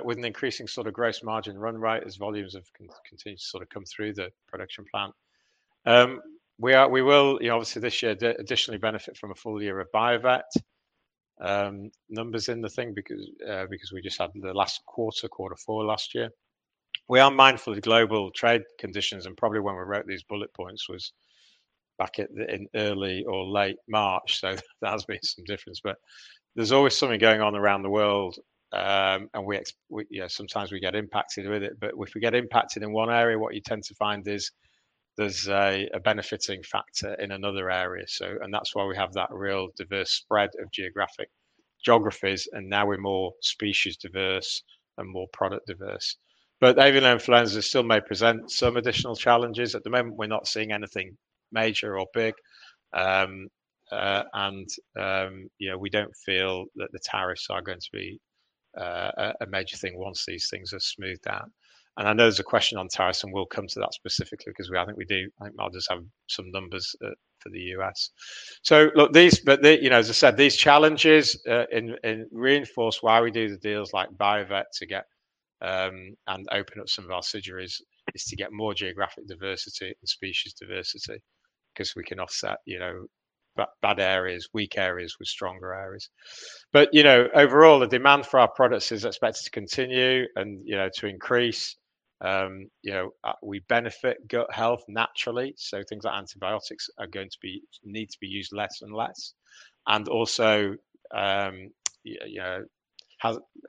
with an increasing sort of gross margin run rate as volumes have continued to sort of come through the production plan. We will, you know, obviously this year additionally benefit from a full year of Bio-Vet numbers in the thing because we just had the last quarter four last year. We are mindful of global trade conditions, and probably when we wrote these bullet points was back at the, in early or late March, so there has been some difference. There's always something going on around the world, and we, you know, sometimes we get impacted with it. If we get impacted in one area, what you tend to find is there's a benefiting factor in another area. That's why we have that real diverse spread of geographic geographies, and now we're more species diverse and more product diverse. Avian influenza still may present some additional challenges. At the moment, we're not seeing anything major or big. You know, we don't feel that the tariffs are going to be a major thing once these things are smoothed out. I know there's a question on tariffs, and we'll come to that specifically because I think Marc has some numbers for the U.S. as I said, these challenges reinforce why we do the deals like Bio-Vet to get and open up some of our synergies is to get more geographic diversity and species diversity, 'cause we can offset, you know, bad areas, weak areas with stronger areas. Overall, the demand for our products is expected to continue and, you know, to increase. We benefit gut health naturally, so things like antibiotics are going to need to be used less and less. Also,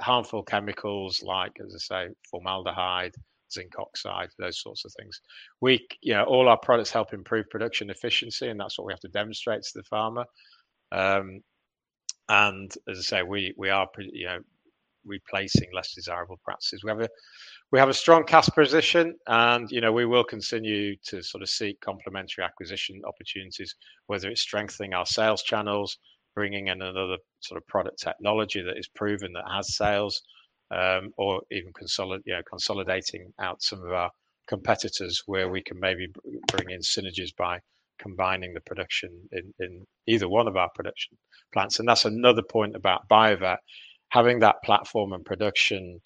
harmful chemicals like, as I say, formaldehyde, zinc oxide, those sorts of things. We all our products help improve production efficiency, and that's what we have to demonstrate to the farmer. As I say, we are replacing less desirable practices. We have a strong cash position and, you know, we will continue to sort of seek complementary acquisition opportunities, whether it's strengthening our sales channels, bringing in another sort of product technology that is proven that has sales, or even you know, consolidating out some of our competitors where we can maybe bring in synergies by combining the production in either one of our production plants. That's another point about Bio-Vet. Having that platform and production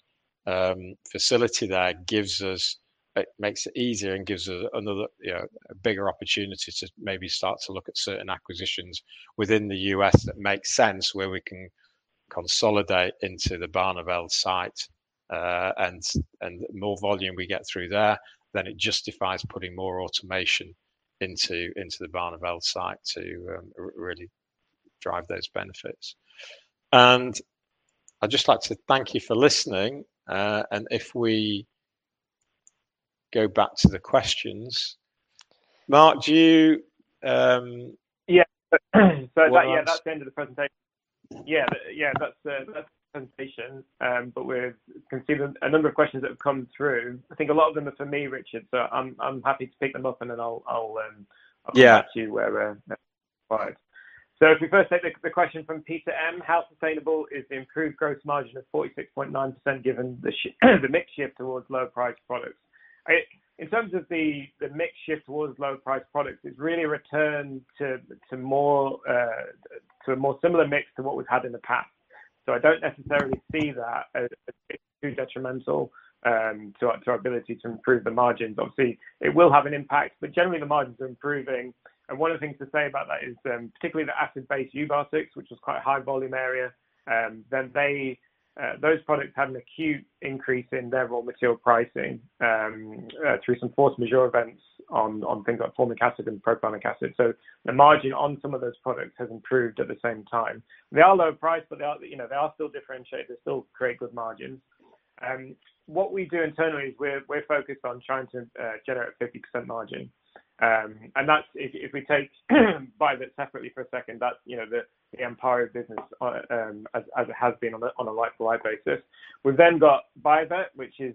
facility there gives us, it makes it easier and gives another, you know, a bigger opportunity to maybe start to look at certain acquisitions within the U.S. that make sense where we can consolidate into the Barneveld site, and more volume we get through there, then it justifies putting more automation into the Barneveld site to really drive those benefits. I'd just like to thank you for listening, and if we go back to the questions. Marc, do you, Yeah, that's the end of the presentation. Yeah, that's the presentation. But we can see a number of questions that have come through. I think a lot of them are for me, Richard, so I'm happy to pick them up, and then I'll come back to you wherever. Yeah. If we first take the question from Peter M. How sustainable is the improved gross margin of 46.9% given the mix shift towards lower priced products? In terms of the mix shift towards lower priced products, it's really a return to a more similar mix to what we've had in the past. I don't necessarily see that as too detrimental to our ability to improve the margins. Obviously, it will have an impact, but generally the margin's improving. One of the things to say about that is particularly the acid-based eubiotics, which is quite a high volume area, then those products had an acute increase in their raw material pricing through some force majeure events on things like formic acid and propionic acid. The margin on some of those products has improved at the same time. They are low-priced, but they are, you know, they are still differentiated, they still create good margins. What we do internally is we're focused on trying to generate 50% margin. That's if we take Bio-Vet separately for a second, that's, you know, the Anpario business, as it has been on a like-for-like basis. We've then got Bio-Vet which is,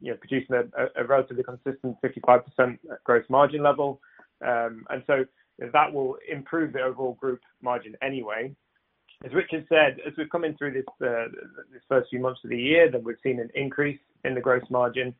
you know, producing a relatively consistent 55% gross margin level. That will improve the overall group margin anyway. As Richard said, as we're coming through this first few months of the year, we've seen an increase in the gross margin.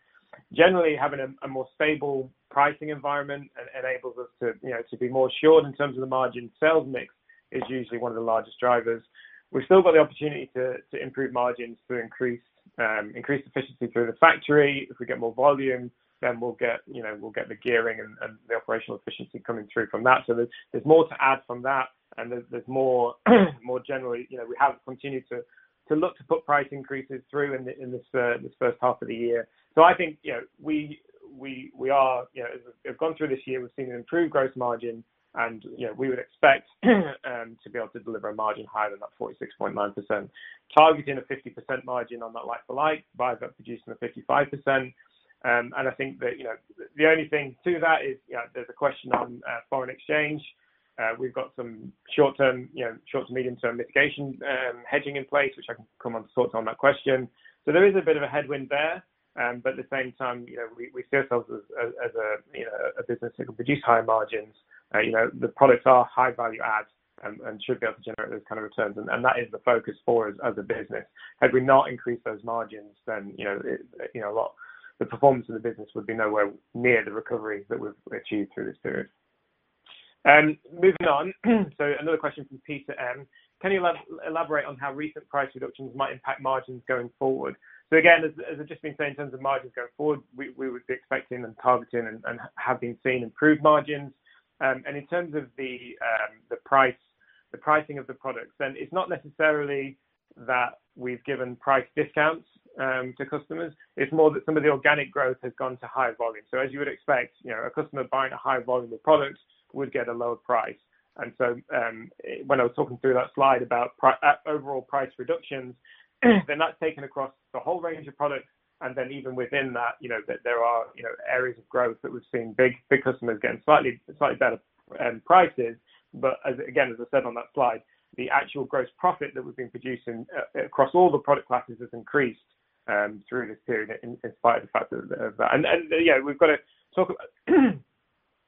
Generally, having a more stable pricing environment enables us to, you know, to be more assured in terms of the margin. Sales mix is usually one of the largest drivers. We've still got the opportunity to improve margins through increased efficiency through the factory. If we get more volume, then we'll get, you know, the gearing and the operational efficiency coming through from that. So there's more to add from that and there's more generally. You know, we have continued to look to put price increases through in this H1 of the year. I think, you know, we are, you know, as we've gone through this year, we've seen an improved gross margin and, you know, we would expect to be able to deliver a margin higher than that 46.9%. Targeting a 50% margin on that like-for-like. Bio-Vet producing a 55%. And I think that, you know, the only thing to that is, you know, there's a question on foreign exchange. We've got some short-term, you know, short to medium-term mitigation hedging in place, which I can come and talk on that question. There is a bit of a headwind there, but at the same time, you know, we see ourselves as a, you know, a business that can produce higher margins. You know, the products are high value add and should be able to generate those kind of returns and that is the focus for us as a business. Had we not increased those margins then, you know, the performance of the business would be nowhere near the recovery that we've achieved through this period. Moving on. Another question from Peter M. Can you elaborate on how recent price reductions might impact margins going forward? Again, as I've just been saying in terms of margins going forward, we would be expecting and targeting and have been seeing improved margins. And in terms of the price, the pricing of the products, then it's not necessarily that we've given price discounts to customers. It's more that some of the organic growth has gone to higher volume. As you would expect, a customer buying a higher volume of products would get a lower price. When I was talking through that slide about overall price reductions, then that's taken across the whole range of products. Even within that, there are areas of growth that we've seen big customers getting slightly better prices. But as again, as I said on that slide, the actual gross profit that we've been producing across all the product classes has increased through this period in spite of the fact that. We've got to talk.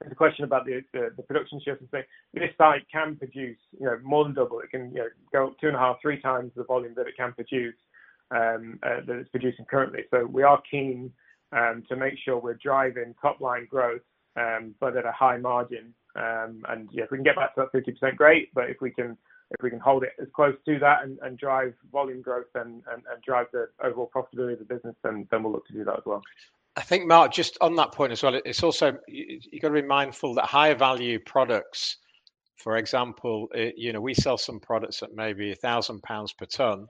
There's a question about the production shifts and say this site can produce more than double. It can, you know, go 2.5-3 times the volume that it can produce that it's producing currently. We are keen to make sure we're driving top line growth, but at a high margin. Yeah, if we can get back to that 50% great, but if we can hold it as close to that and drive volume growth and drive the overall profitability of the business, then we'll look to do that as well. I think, Marc, just on that point as well, it's also, you gotta be mindful that higher value products, for example, you know, we sell some products at maybe 1,000 pounds per ton.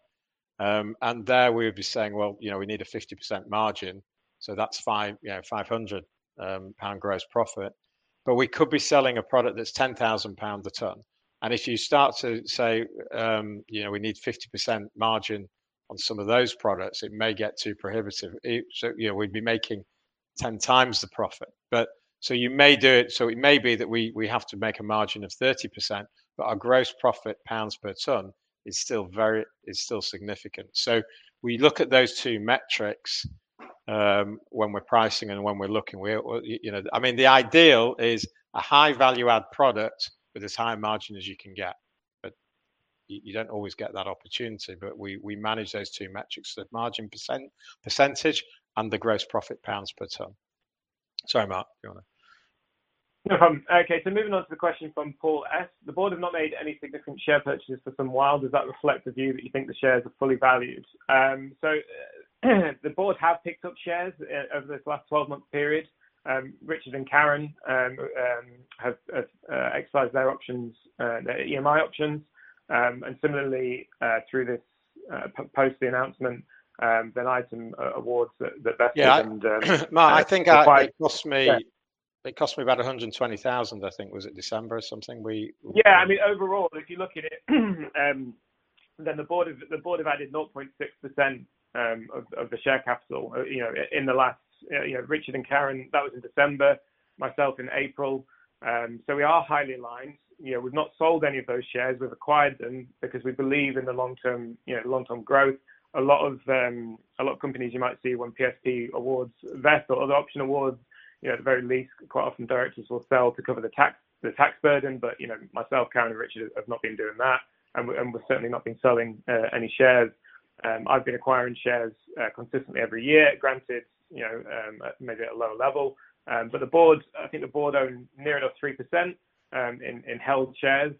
And there we would be saying, "Well, you know, we need a 50% margin, so that's 500, you know, pound gross profit." But we could be selling a product that's 10,000 pounds a ton. And if you start to say, you know, we need 50% margin on some of those products, it may get too prohibitive. So, you know, we'd be making 10 times the profit. But so you may do it. So it may be that we have to make a margin of 30%, but our gross profit pounds per ton is still very significant. We look at those two metrics when we're pricing and when we're looking. I mean, the ideal is a high value add product with as high a margin as you can get. You don't always get that opportunity. We manage those two metrics, the margin percentage and the gross profit pounds per ton. Sorry, Marc. Go on. No problem. Okay, moving on to the question from Paul S. The board have not made any significant share purchases for some while. Does that reflect the view that you think the shares are fully valued? The board have picked up shares over this last 12-month period. Richard and Karen have exercised their options, their EMI options. And similarly, through this post the announcement, LTIP awards that vested and Yeah, Marc, I think it cost me- Yeah. It cost me about 120,000, I think. Was it December or something? Yeah. I mean, overall, if you look at it, then the board have added 0.6% of the share capital, you know, in the last, you know, Richard and Karen, that was in December, myself in April. So we are highly aligned. You know, we've not sold any of those shares. We've acquired them because we believe in the long term, you know, long term growth. A lot of companies you might see one LTIP awards vest or other option awards, you know, at the very least, quite often directors will sell to cover the tax burden. But, you know, myself, Karen, and Richard have not been doing that. We've certainly not been selling any shares. I've been acquiring shares consistently every year, granted, you know, maybe at a lower level. The board, I think the board own near enough 3% in held shares.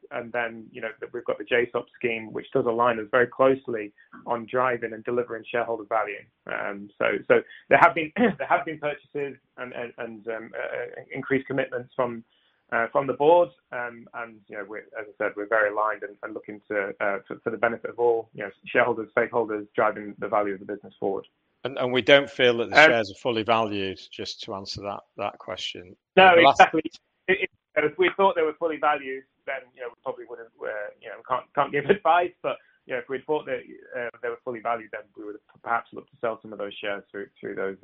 You know, we've got the JSOP scheme, which does align us very closely on driving and delivering shareholder value. There have been purchases and increased commitments from the board. You know, as I said, we're very aligned and looking to for the benefit of all, you know, shareholders, stakeholders driving the value of the business forward. We don't feel that the shares are fully valued, just to answer that question. No, exactly. The last- If we thought they were fully valued, then you know we probably wouldn't you know can't give advice. You know if we thought they were fully valued, then we would perhaps look to sell some of those shares through those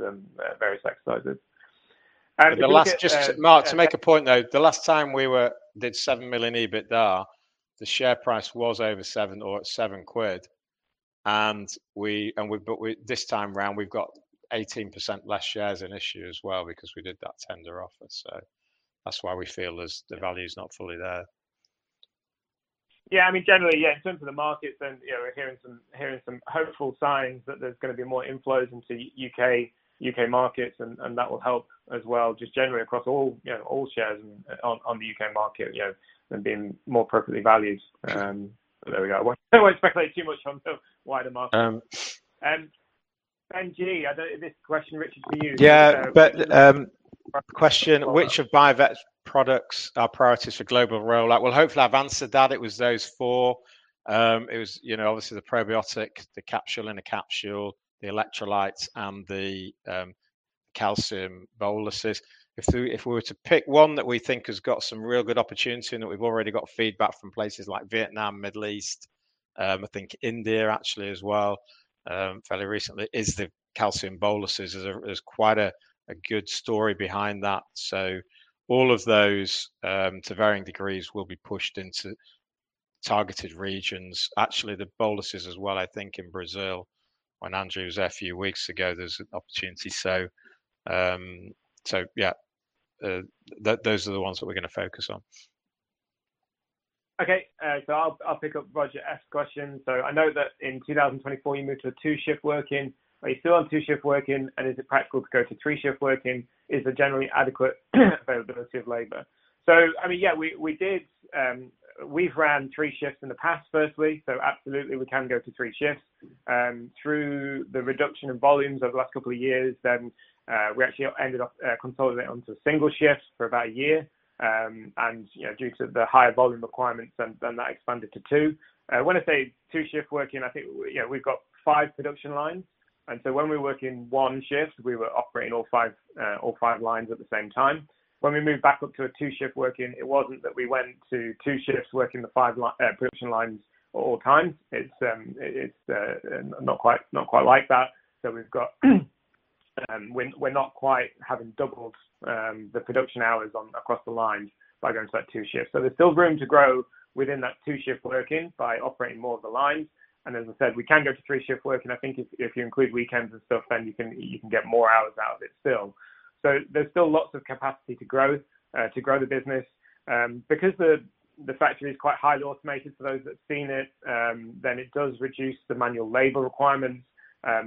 various exercises. If we get Marc, to make a point, though, the last time we did 7 million EBITDA, the share price was over 7 or at 7 quid. But this time around, we've got 18% less shares in issue as well because we did that tender offer. That's why we feel as the value's not fully there. Yeah, I mean, generally, yeah, in terms of the markets then, you know, we're hearing some hopeful signs that there's gonna be more inflows into U.K. markets and that will help as well, just generally across all, you know, all shares on the U.K. market, you know, them being more appropriately valued. There we go. Don't wanna speculate too much on why the market. Um. NG, I don't know if this question, Richard, is for you. Yeah. Question, which of Bio-Vet's products are priorities for global rollout? Well, hopefully I've answered that. It was those four. It was, you know, obviously the probiotic, the capsule-in-a-capsule, the electrolytes, and the calcium boluses. If we were to pick one that we think has got some real good opportunity and that we've already got feedback from places like Vietnam, Middle East, I think India actually as well, fairly recently, is the calcium boluses. There's quite a good story behind that. All of those, to varying degrees, will be pushed into targeted regions. Actually, the boluses as well, I think in Brazil, when Andrew was there a few weeks ago, there's an opportunity. Yeah, those are the ones that we're gonna focus on. Okay. I'll pick up Roger F's question. I know that in 2024, you moved to a two-shift working. Are you still on two-shift working, and is it practical to go to three-shift working? Is there generally adequate availability of labor? I mean, yeah, we did. We've ran three shifts in the past firstly, so absolutely we can go to three shifts. Through the reduction in volumes over the last couple of years then, we actually ended up consolidating onto single shifts for about a year. You know, due to the higher volume requirements then, that expanded to two. When I say two shift working, I think we've got five production lines. When we work in one shift, we were operating all five lines at the same time. When we moved back up to a two-shift working, it wasn't that we went to two shifts working the five-line production lines all the time. It's not quite like that. We've got, we're not quite having doubled the production hours across the lines by going to that two shifts. There's still room to grow within that two-shift working by operating more of the lines. As I said, we can go to three-shift working. I think if you include weekends and stuff, then you can get more hours out of it still. There's still lots of capacity to grow the business. Because the factory is quite highly automated for those that have seen it, then it does reduce the manual labor requirements.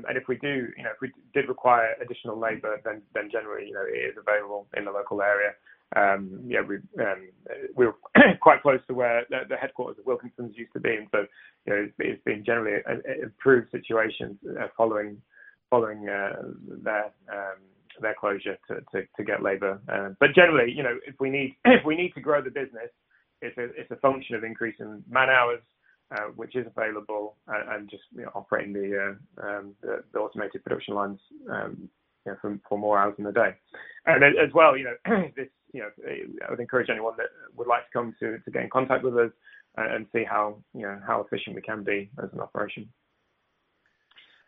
If we do, you know, if we did require additional labor, then generally, you know, it is available in the local area. You know, we're quite close to where the headquarters of Wilko used to be. You know, it's been generally an improved situation, following their closure to get labor. Generally, you know, if we need to grow the business, it's a function of increasing man-hours, which is available and just, you know, operating the automated production lines, you know, for more hours in the day. As well, you know, it's, you know, I would encourage anyone that would like to come to get in contact with us and see how, you know, how efficient we can be as an operation.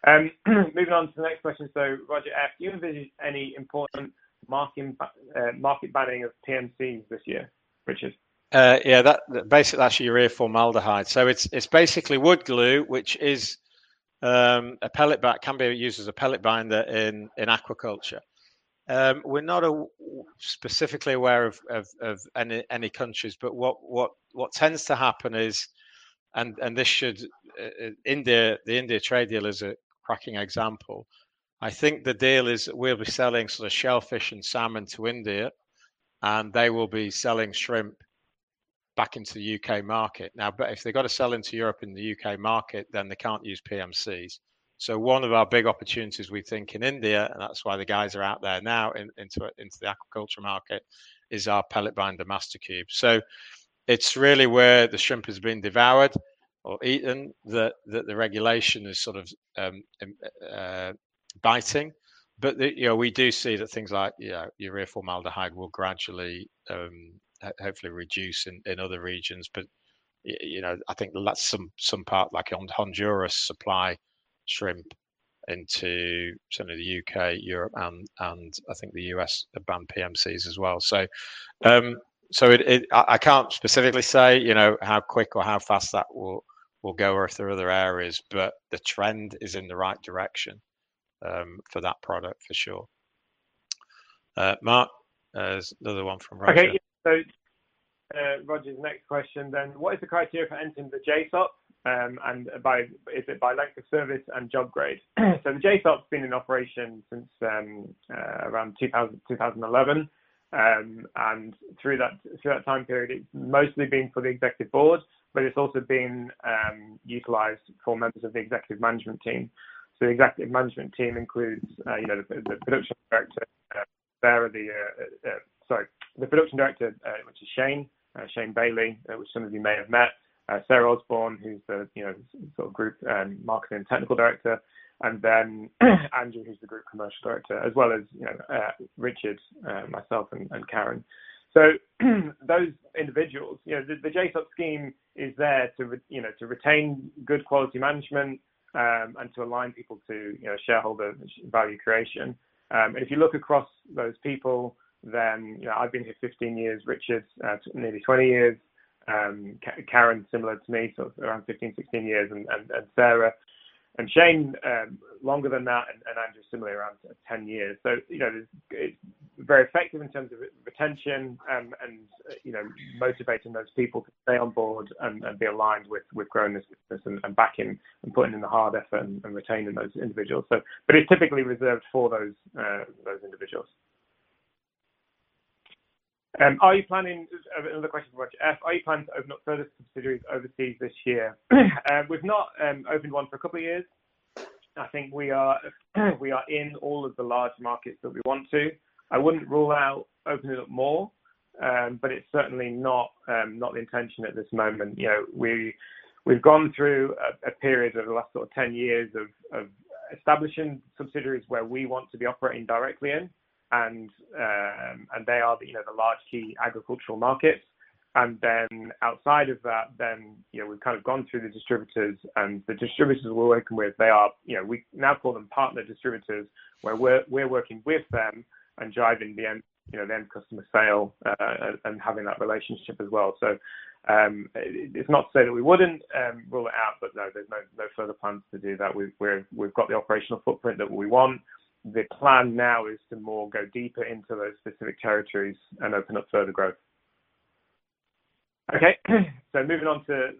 Moving on to the next question. Roger F, do you envision any important marketing, market planning of PMCs this year, Richard? That basically actually urea formaldehyde. It's basically wood glue, which can be used as a pellet binder in aquaculture. We're not specifically aware of any countries, but what tends to happen is the India trade deal is a cracking example. I think the deal is we'll be selling sort of shellfish and salmon to India, and they will be selling shrimp back into the U.K. market. If they've got to sell into Europe and the U.K. market, then they can't use PMCs. One of our big opportunities we think in India, and that's why the guys are out there now into the agriculture market, is our pellet binder Mastercube. It's really where the shrimp has been devoured or eaten that the regulation is sort of biting. You know, we do see that things like, you know, urea formaldehyde will gradually hopefully reduce in other regions. You know, I think that's some part like Honduras supply shrimp into some of the U.K., Europe, and I think the U.S. have banned PMCs as well. It. I can't specifically say, you know, how quick or how fast that will go or through other areas, but the trend is in the right direction for that product for sure. Marc, there's another one from Roger. Okay. Roger's next question then. What is the criteria for entering the JSOP? Is it by length of service and job grade? The JSOP's been in operation since around 2011. Through that time period, it's mostly been for the Executive Board, but it's also been utilized for members of the Executive Management Team. The Executive Management Team includes, you know, the Production Director, Sarah. The Production Director, which is Shane Bailey, which some of you may have met. Sarah Osborne, who's the, you know, sort of group marketing and technical director. Then Andrew, who's the Group Commercial Director, as well as, you know, Richard, myself, and Karen. Those individuals, you know, the JSOP scheme is there to retain good quality management, and to align people to, you know, shareholder value creation. If you look across those people, then, you know, I've been here 15 years. Richard nearly 20 years. Karen, similar to me, so around 15, 16 years. Sarah. Shane longer than that. Andrew similarly around 10 years. You know, it's very effective in terms of retention, and, you know, motivating those people to stay on board and be aligned with growing this business and backing and putting in the hard effort and retaining those individuals. It's typically reserved for those individuals. Are you planning. Another question from Roger F. Are you planning to open up further subsidiaries overseas this year? We've not opened one for a couple of years. I think we are in all of the large markets that we want to. I wouldn't rule out opening up more, but it's certainly not the intention at this moment. You know, we've gone through a period over the last sort of 10 years of establishing subsidiaries where we want to be operating directly in, and they are, you know, the large key agricultural markets. Outside of that, you know, we've kind of gone through the distributors, and the distributors we're working with, they are, you know, we now call them partner distributors, where we're working with them and driving the end customer sale, and having that relationship as well. It's not to say that we wouldn't rule it out, but no, there's no further plans to do that. We've got the operational footprint that we want. The plan now is to more go deeper into those specific territories and open up further growth. Okay. Moving on to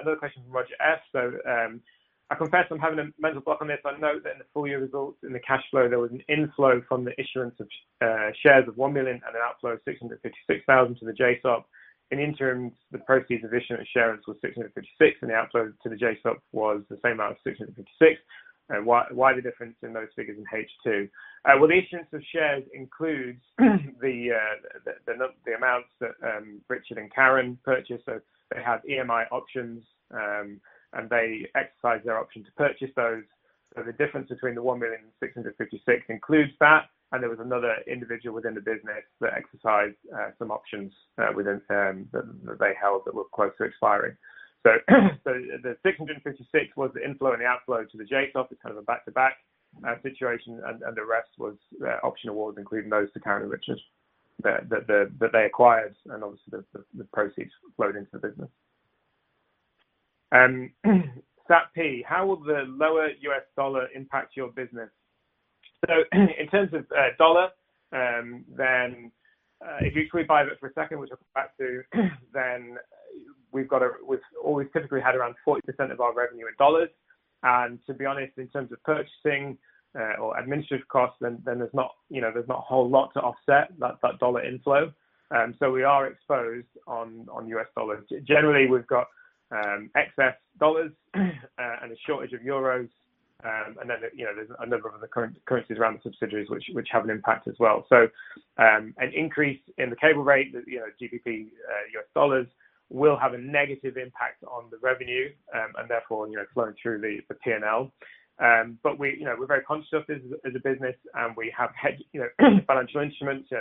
another question from Roger S. I confess I'm having a mental block on this, but I note that in the full year results in the cash flow, there was an inflow from the issuance of shares of 1 million and an outflow of 656,000 to the JSOP. In interims, the proceeds of issuance shares was 656, and the outflow to the JSOP was the same amount of 656. Why the difference in those figures in H2? Well, the issuance of shares includes the amounts that Richard and Karen purchased. They have EMI options and they exercise their option to purchase those. The difference between the 1 million and 656 includes that, and there was another individual within the business that exercised some options within that they held that were close to expiring. The 656 was the inflow and the outflow to the JSOP. It's kind of a back-to-back situation. The rest was option awards, including those to Karen and Richard that they acquired and obviously the proceeds flowed into the business. Sat P, how will the lower US dollar impact your business? In terms of dollar, then if you could revisit it for a second, which I'll come back to, then we've got a We've always typically had around 40% of our revenue in dollars. To be honest, in terms of purchasing or administrative costs, then there's not, you know, there's not a whole lot to offset that dollar inflow. We are exposed on US dollars. Generally, we've got excess dollars and a shortage of euros. Then, you know, there's a number of other currencies around the subsidiaries which have an impact as well. An increase in the Cable rate, you know, GBP/USD will have a negative impact on the revenue, and therefore, you know, flowing through the P&L. We, you know, we're very conscious of this as a business, and we have, you know, financial instruments so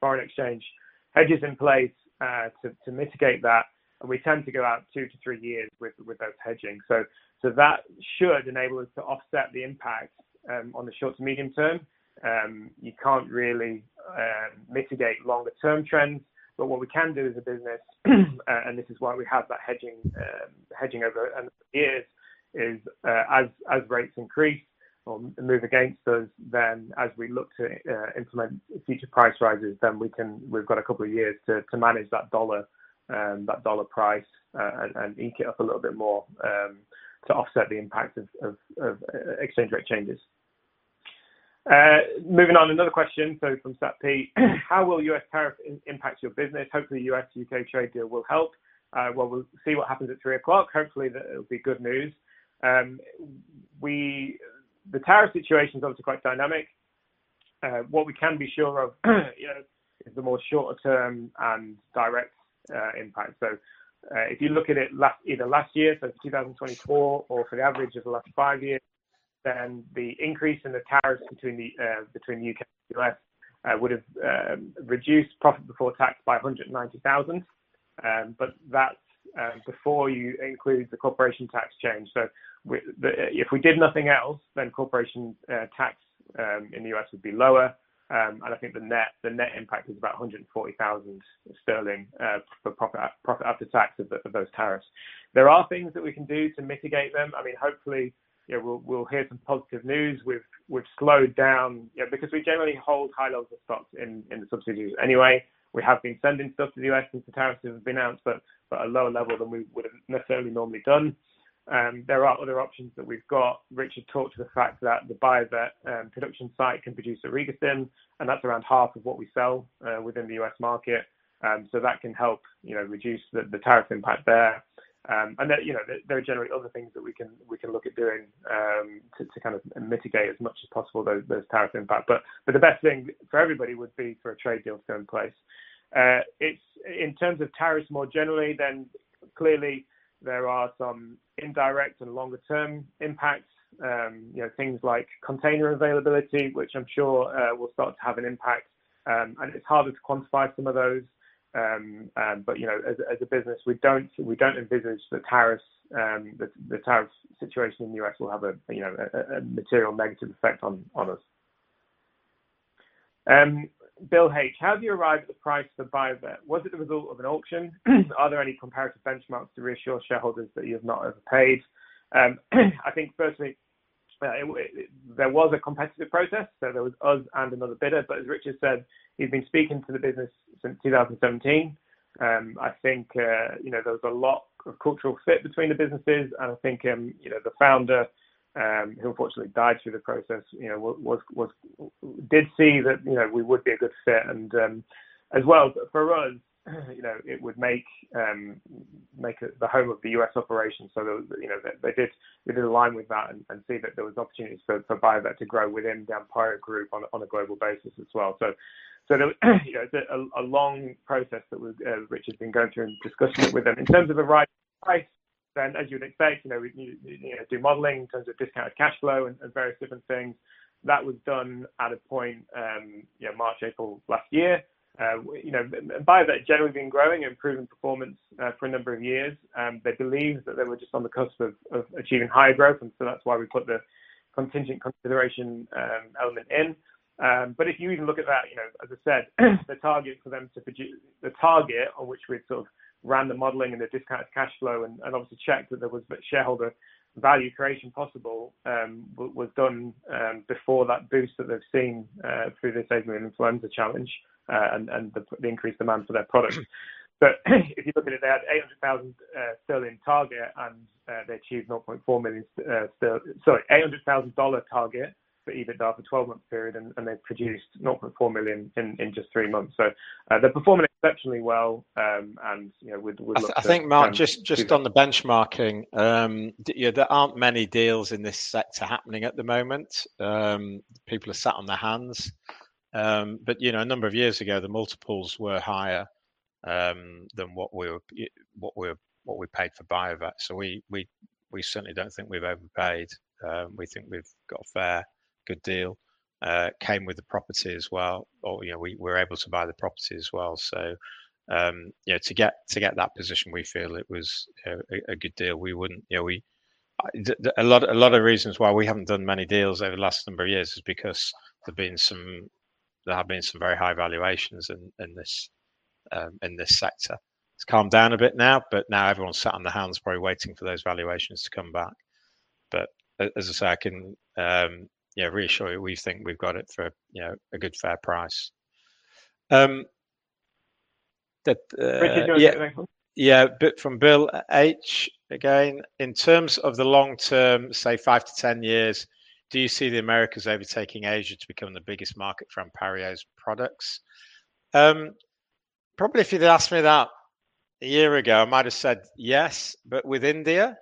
foreign exchange hedges in place to mitigate that. We tend to go out 2-3 years with those hedging. That should enable us to offset the impact on the short- to medium-term. You can't really mitigate longer-term trends. What we can do as a business, and this is why we have that hedging over a number of years, is as rates increase or move against us, then as we look to implement future price rises, then we can we've got a couple of years to manage that dollar price, and hike it up a little bit more, to offset the impact of exchange rate changes. Moving on, another question from Sat P. How will U.S. tariff impact your business? Hopefully, U.S.-U.K. trade deal will help. Well, we'll see what happens at 3:00. Hopefully, that it'll be good news. The tariff situation is obviously quite dynamic. What we can be sure of, you know, is the more short-term and direct impact. If you look at it either last year, so 2024, or for the average of the last five years, then the increase in the tariffs between the U.K., U.S. would have reduced profit before tax by 190,000. But that's before you include the corporation tax change. If we did nothing else, then corporation tax in the U.S. would be lower. And I think the net impact is about 140,000 sterling for profit after tax of those tariffs. There are things that we can do to mitigate them. I mean, hopefully, you know, we'll hear some positive news. We've slowed down. You know, because we generally hold high levels of stocks in the subsidiaries anyway. We have been sending stuff to the U.S. since the tariffs have been announced, but at a lower level than we would have necessarily normally done. There are other options that we've got. Richard talked about the fact that the Bio-Vet production site can produce Orego-Stim, and that's around half of what we sell within the U.S. market. That can help, you know, reduce the tariff impact there. There, you know, there are generally other things that we can look at doing to kind of mitigate as much as possible those tariff impacts. The best thing for everybody would be for a trade deal to go in place. In terms of tariffs more generally, then clearly there are some indirect and longer-term impacts. You know, things like container availability, which I'm sure will start to have an impact. It's harder to quantify some of those. You know, as a business, we don't envisage the tariffs, the tariff situation in the U.S. will have a you know, a material negative effect on us. Bill H. How have you arrived at the price for Bio-Vet? Was it the result of an auction? Are there any comparative benchmarks to reassure shareholders that you have not overpaid? I think firstly, there was a competitive process, so there was us and another bidder. As Richard said, he's been speaking to the business since 2017. I think you know there was a lot of cultural fit between the businesses, and I think you know the founder who unfortunately died through the process you know did see that you know we would be a good fit and as well. For us, you know, it would make it the home of the U.S. operations. They did align with that and see that there was opportunities for Bio-Vet to grow within the Anpario Group on a global basis as well. There was a long process that Richard's been going through and discussing it with them. In terms of arriving at the price, as you would expect, you know, we, you know, do modeling in terms of discounted cash flow and various different things. That was done at a point, you know, March, April last year. You know, Bio-Vet generally been growing and improving performance for a number of years. They believed that they were just on the cusp of achieving higher growth, and so that's why we put the contingent consideration element in. If you even look at that, you know, as I said, the target on which we'd sort of ran the modeling and the discounted cash flow and obviously checked that there was shareholder value creation possible, was done before that boost that they've seen through this avian influenza challenge and the increased demand for their product. If you look at it, they had $800,000 sterling target and they achieved $0.4 million. Sorry, $800,000 dollar target for EBITDA for a 12-month period, and they've produced $0.4 million in just 3 months. They're performing exceptionally well, and you know, we'd love to. I think, Marc, just on the benchmarking, you know, there aren't many deals in this sector happening at the moment. People are sat on their hands. You know, a number of years ago, the multiples were higher than what we paid for Bio-Vet. We certainly don't think we've overpaid. We think we've got a fair good deal. It came with the property as well. You know, we were able to buy the property as well. You know, to get that position, we feel it was a good deal. We wouldn't, you know, a lot of reasons why we haven't done many deals over the last number of years is because there have been some very high valuations in this sector. It's calmed down a bit now, but now everyone's sat on their hands probably waiting for those valuations to come back. As I say, I can, yeah, reassure you, we think we've got it for, you know, a good, fair price. Richard, do you want to come in? Yeah. Bit from Bill H. again. In terms of the long term, say 5-10 years, do you see the Americas overtaking Asia to become the biggest market for Anpario's products? Probably if you'd asked me that a year ago, I might have said yes, but with India.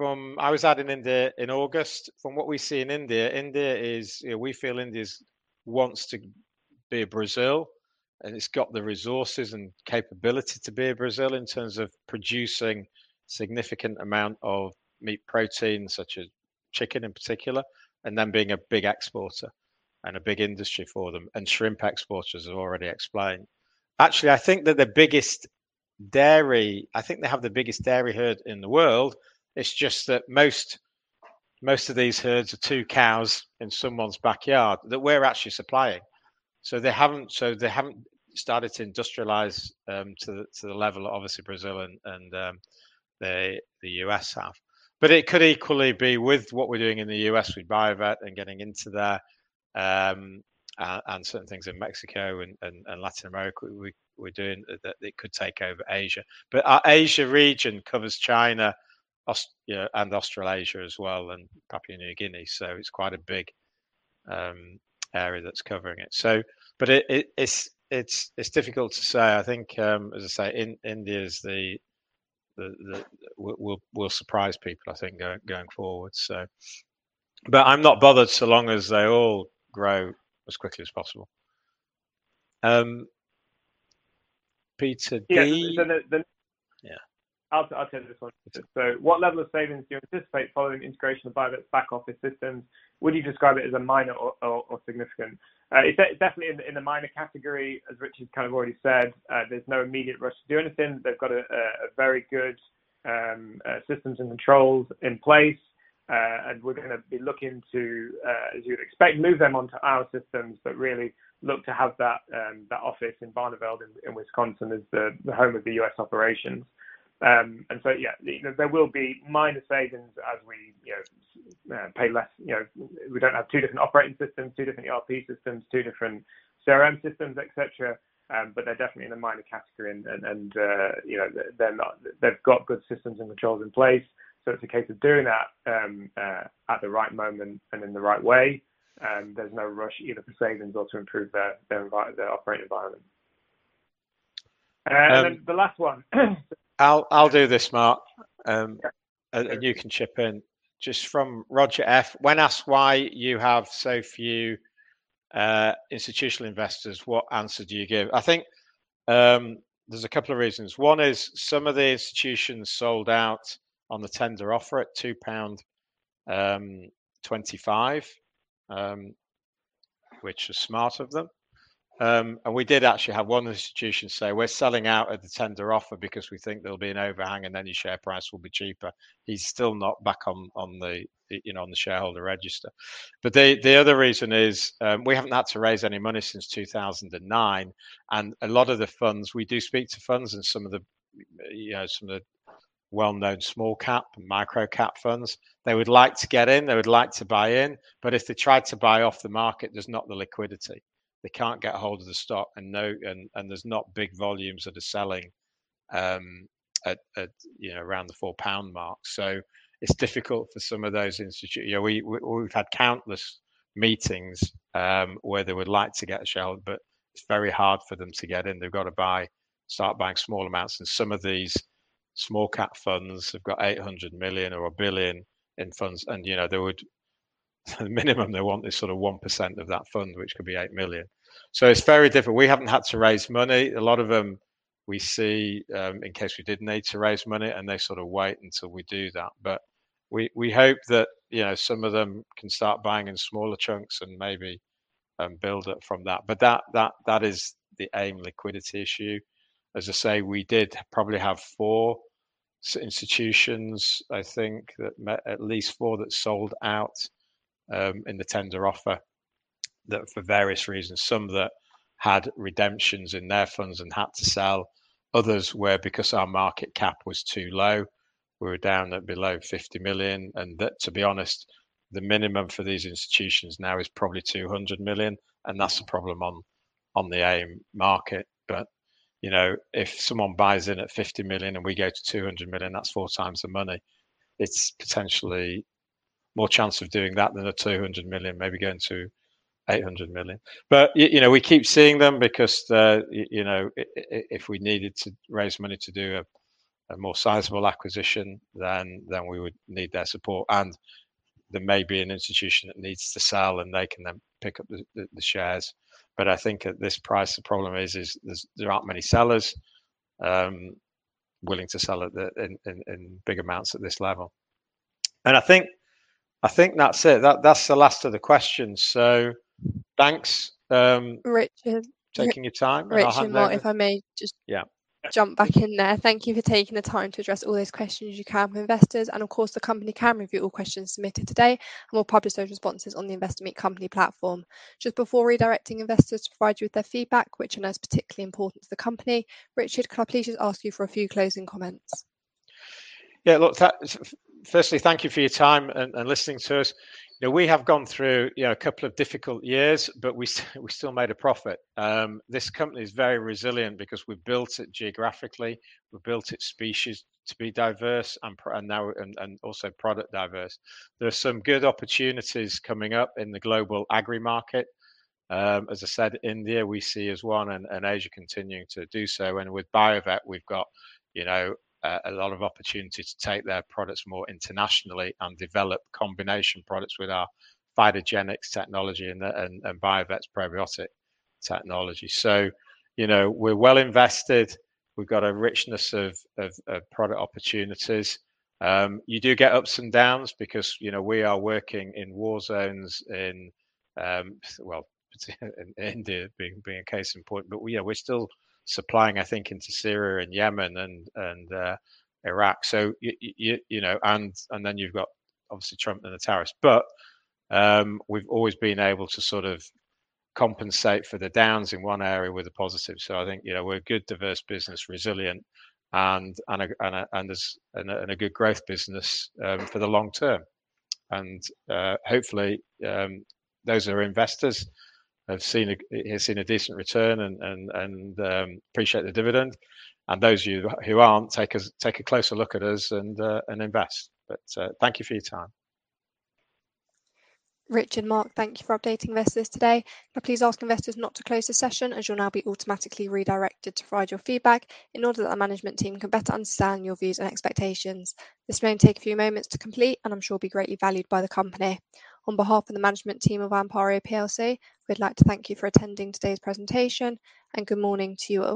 I was out in India in August. From what we see in India is, you know, we feel India's wants to be a Brazil, and it's got the resources and capability to be a Brazil in terms of producing significant amount of meat protein, such as chicken in particular, and them being a big exporter and a big industry for them. And shrimp exporters, as I already explained. Actually, I think that the biggest dairy. I think they have the biggest dairy herd in the world. It's just that most of these herds are two cows in someone's backyard that we're actually supplying. They haven't started to industrialize to the level that obviously Brazil and the U.S. have. It could equally be with what we're doing in the U.S. with Bio-Vet and getting into there and certain things in Mexico and Latin America we're doing that it could take over Asia. Our Asia region covers China, Australia, yeah, and Australasia as well, and Papua New Guinea. It's quite a big area that's covering it. It's difficult to say. I think, as I say, India is the one that will surprise people, I think, going forward. I'm not bothered so long as they all grow as quickly as possible. Um, Peter D- Yeah. Yeah. I'll take this one. So what level of savings do you anticipate following integration of Bio-Vet's back office systems? Would you describe it as a minor or significant? It's definitely in the minor category, as Richard kind of already said. There's no immediate rush to do anything. They've got a very good systems and controls in place. We're gonna be looking to, as you'd expect, move them onto our systems, but really look to have that office in Barneveld in Wisconsin as the home of the U.S. operations. Yeah, there will be minor savings as we, you know, pay less. You know, we don't have two different operating systems, two different ERP systems, two different CRM systems, et cetera. But they're definitely in the minor category. you know, they're not. They've got good systems and controls in place, so it's a case of doing that at the right moment and in the right way. There's no rush either for savings or to improve their operating environment. Um- The last one. I'll do this, Marc. Yeah. You can chip in. Just from Roger F: When asked why you have so few institutional investors, what answer do you give? I think, there's a couple of reasons. One is some of the institutions sold out on the tender offer at £2.25, which was smart of them. We did actually have one institution say, "We're selling out at the tender offer because we think there'll be an overhang and then your share price will be cheaper." He's still not back on the you know on the shareholder register. The other reason is, we haven't had to raise any money since 2009, and a lot of the funds... We do speak to funds and some of the, you know, some of the well-known small-cap and micro-cap funds. They would like to get in. They would like to buy in, but if they try to buy off the market, there's not the liquidity. They can't get a hold of the stock and there's not big volumes that are selling at, you know, around the 4 pound mark. It's difficult for some of those institutions. You know, we've had countless meetings where they would like to get a share, but it's very hard for them to get in. They've got to start buying small amounts, and some of these small-cap funds have got 800 million or 1 billion in funds and, you know, they would. The minimum they want is sort of 1% of that fund, which could be 8 million. It's very different. We haven't had to raise money. A lot of them, we see, in case we did need to raise money, and they sort of wait until we do that. We hope that, you know, some of them can start buying in smaller chunks and maybe build up from that. That is the AIM liquidity issue. As I say, we did probably have four institutions, I think, at least four that sold out in the tender offer, for various reasons. Some that had redemptions in their funds and had to sell. Others were because our market cap was too low. We were down at below 50 million and that, to be honest, the minimum for these institutions now is probably 200 million, and that's the problem on the AIM market. You know, if someone buys in at 50 million and we go to 200 million, that's 4x the money. It's potentially more chance of doing that than a 200 million maybe going to 800 million. You know, we keep seeing them because you know, if we needed to raise money to do a more sizable acquisition, then we would need their support. There may be an institution that needs to sell, and they can then pick up the shares. I think at this price, the problem is there aren't many sellers willing to sell at the in big amounts at this level. I think that's it. That's the last of the questions. Thanks. Richard taking your time. On that note. Richard and Marc, if I may just. Yeah. Thank you for taking the time to address all those questions you have for investors. Of course, the company can review all questions submitted today, and we'll publish those responses on the Investor Meet Company platform. Just before redirecting investors to provide you with their feedback, which I know is particularly important to the company, Richard, could I please just ask you for a few closing comments? Yeah. Look, firstly, thank you for your time and listening to us. You know, we have gone through, you know, a couple of difficult years, but we still made a profit. This company is very resilient because we built it geographically, we built its species to be diverse, and also product diverse. There are some good opportunities coming up in the global agri market. As I said, India we see as one and Asia continuing to do so. With Bio-Vet, we've got, you know, a lot of opportunity to take their products more internationally and develop combination products with our phytogenics technology and Bio-Vet's probiotic technology. You know, we're well invested. We've got a richness of product opportunities. You do get ups and downs because, you know, we are working in war zones in, well, in India being a case in point. We, you know, we're still supplying, I think, into Syria and Yemen and Iraq. You know, and then you've got obviously Trump and the tariffs. We've always been able to sort of compensate for the downs in one area with a positive. I think, you know, we're a good, diverse business, resilient and a good growth business for the long term. Hopefully, those that are investors have seen a decent return and appreciate the dividend. Those of you who aren't, take a closer look at us and invest. Thank you for your time. Richard and Marc, thank you for updating investors today. Can I please ask investors not to close the session as you'll now be automatically redirected to provide your feedback in order that the management team can better understand your views and expectations. This may only take a few moments to complete, and I'm sure will be greatly valued by the company. On behalf of the management team of Anpario plc, we'd like to thank you for attending today's presentation and good morning to you all.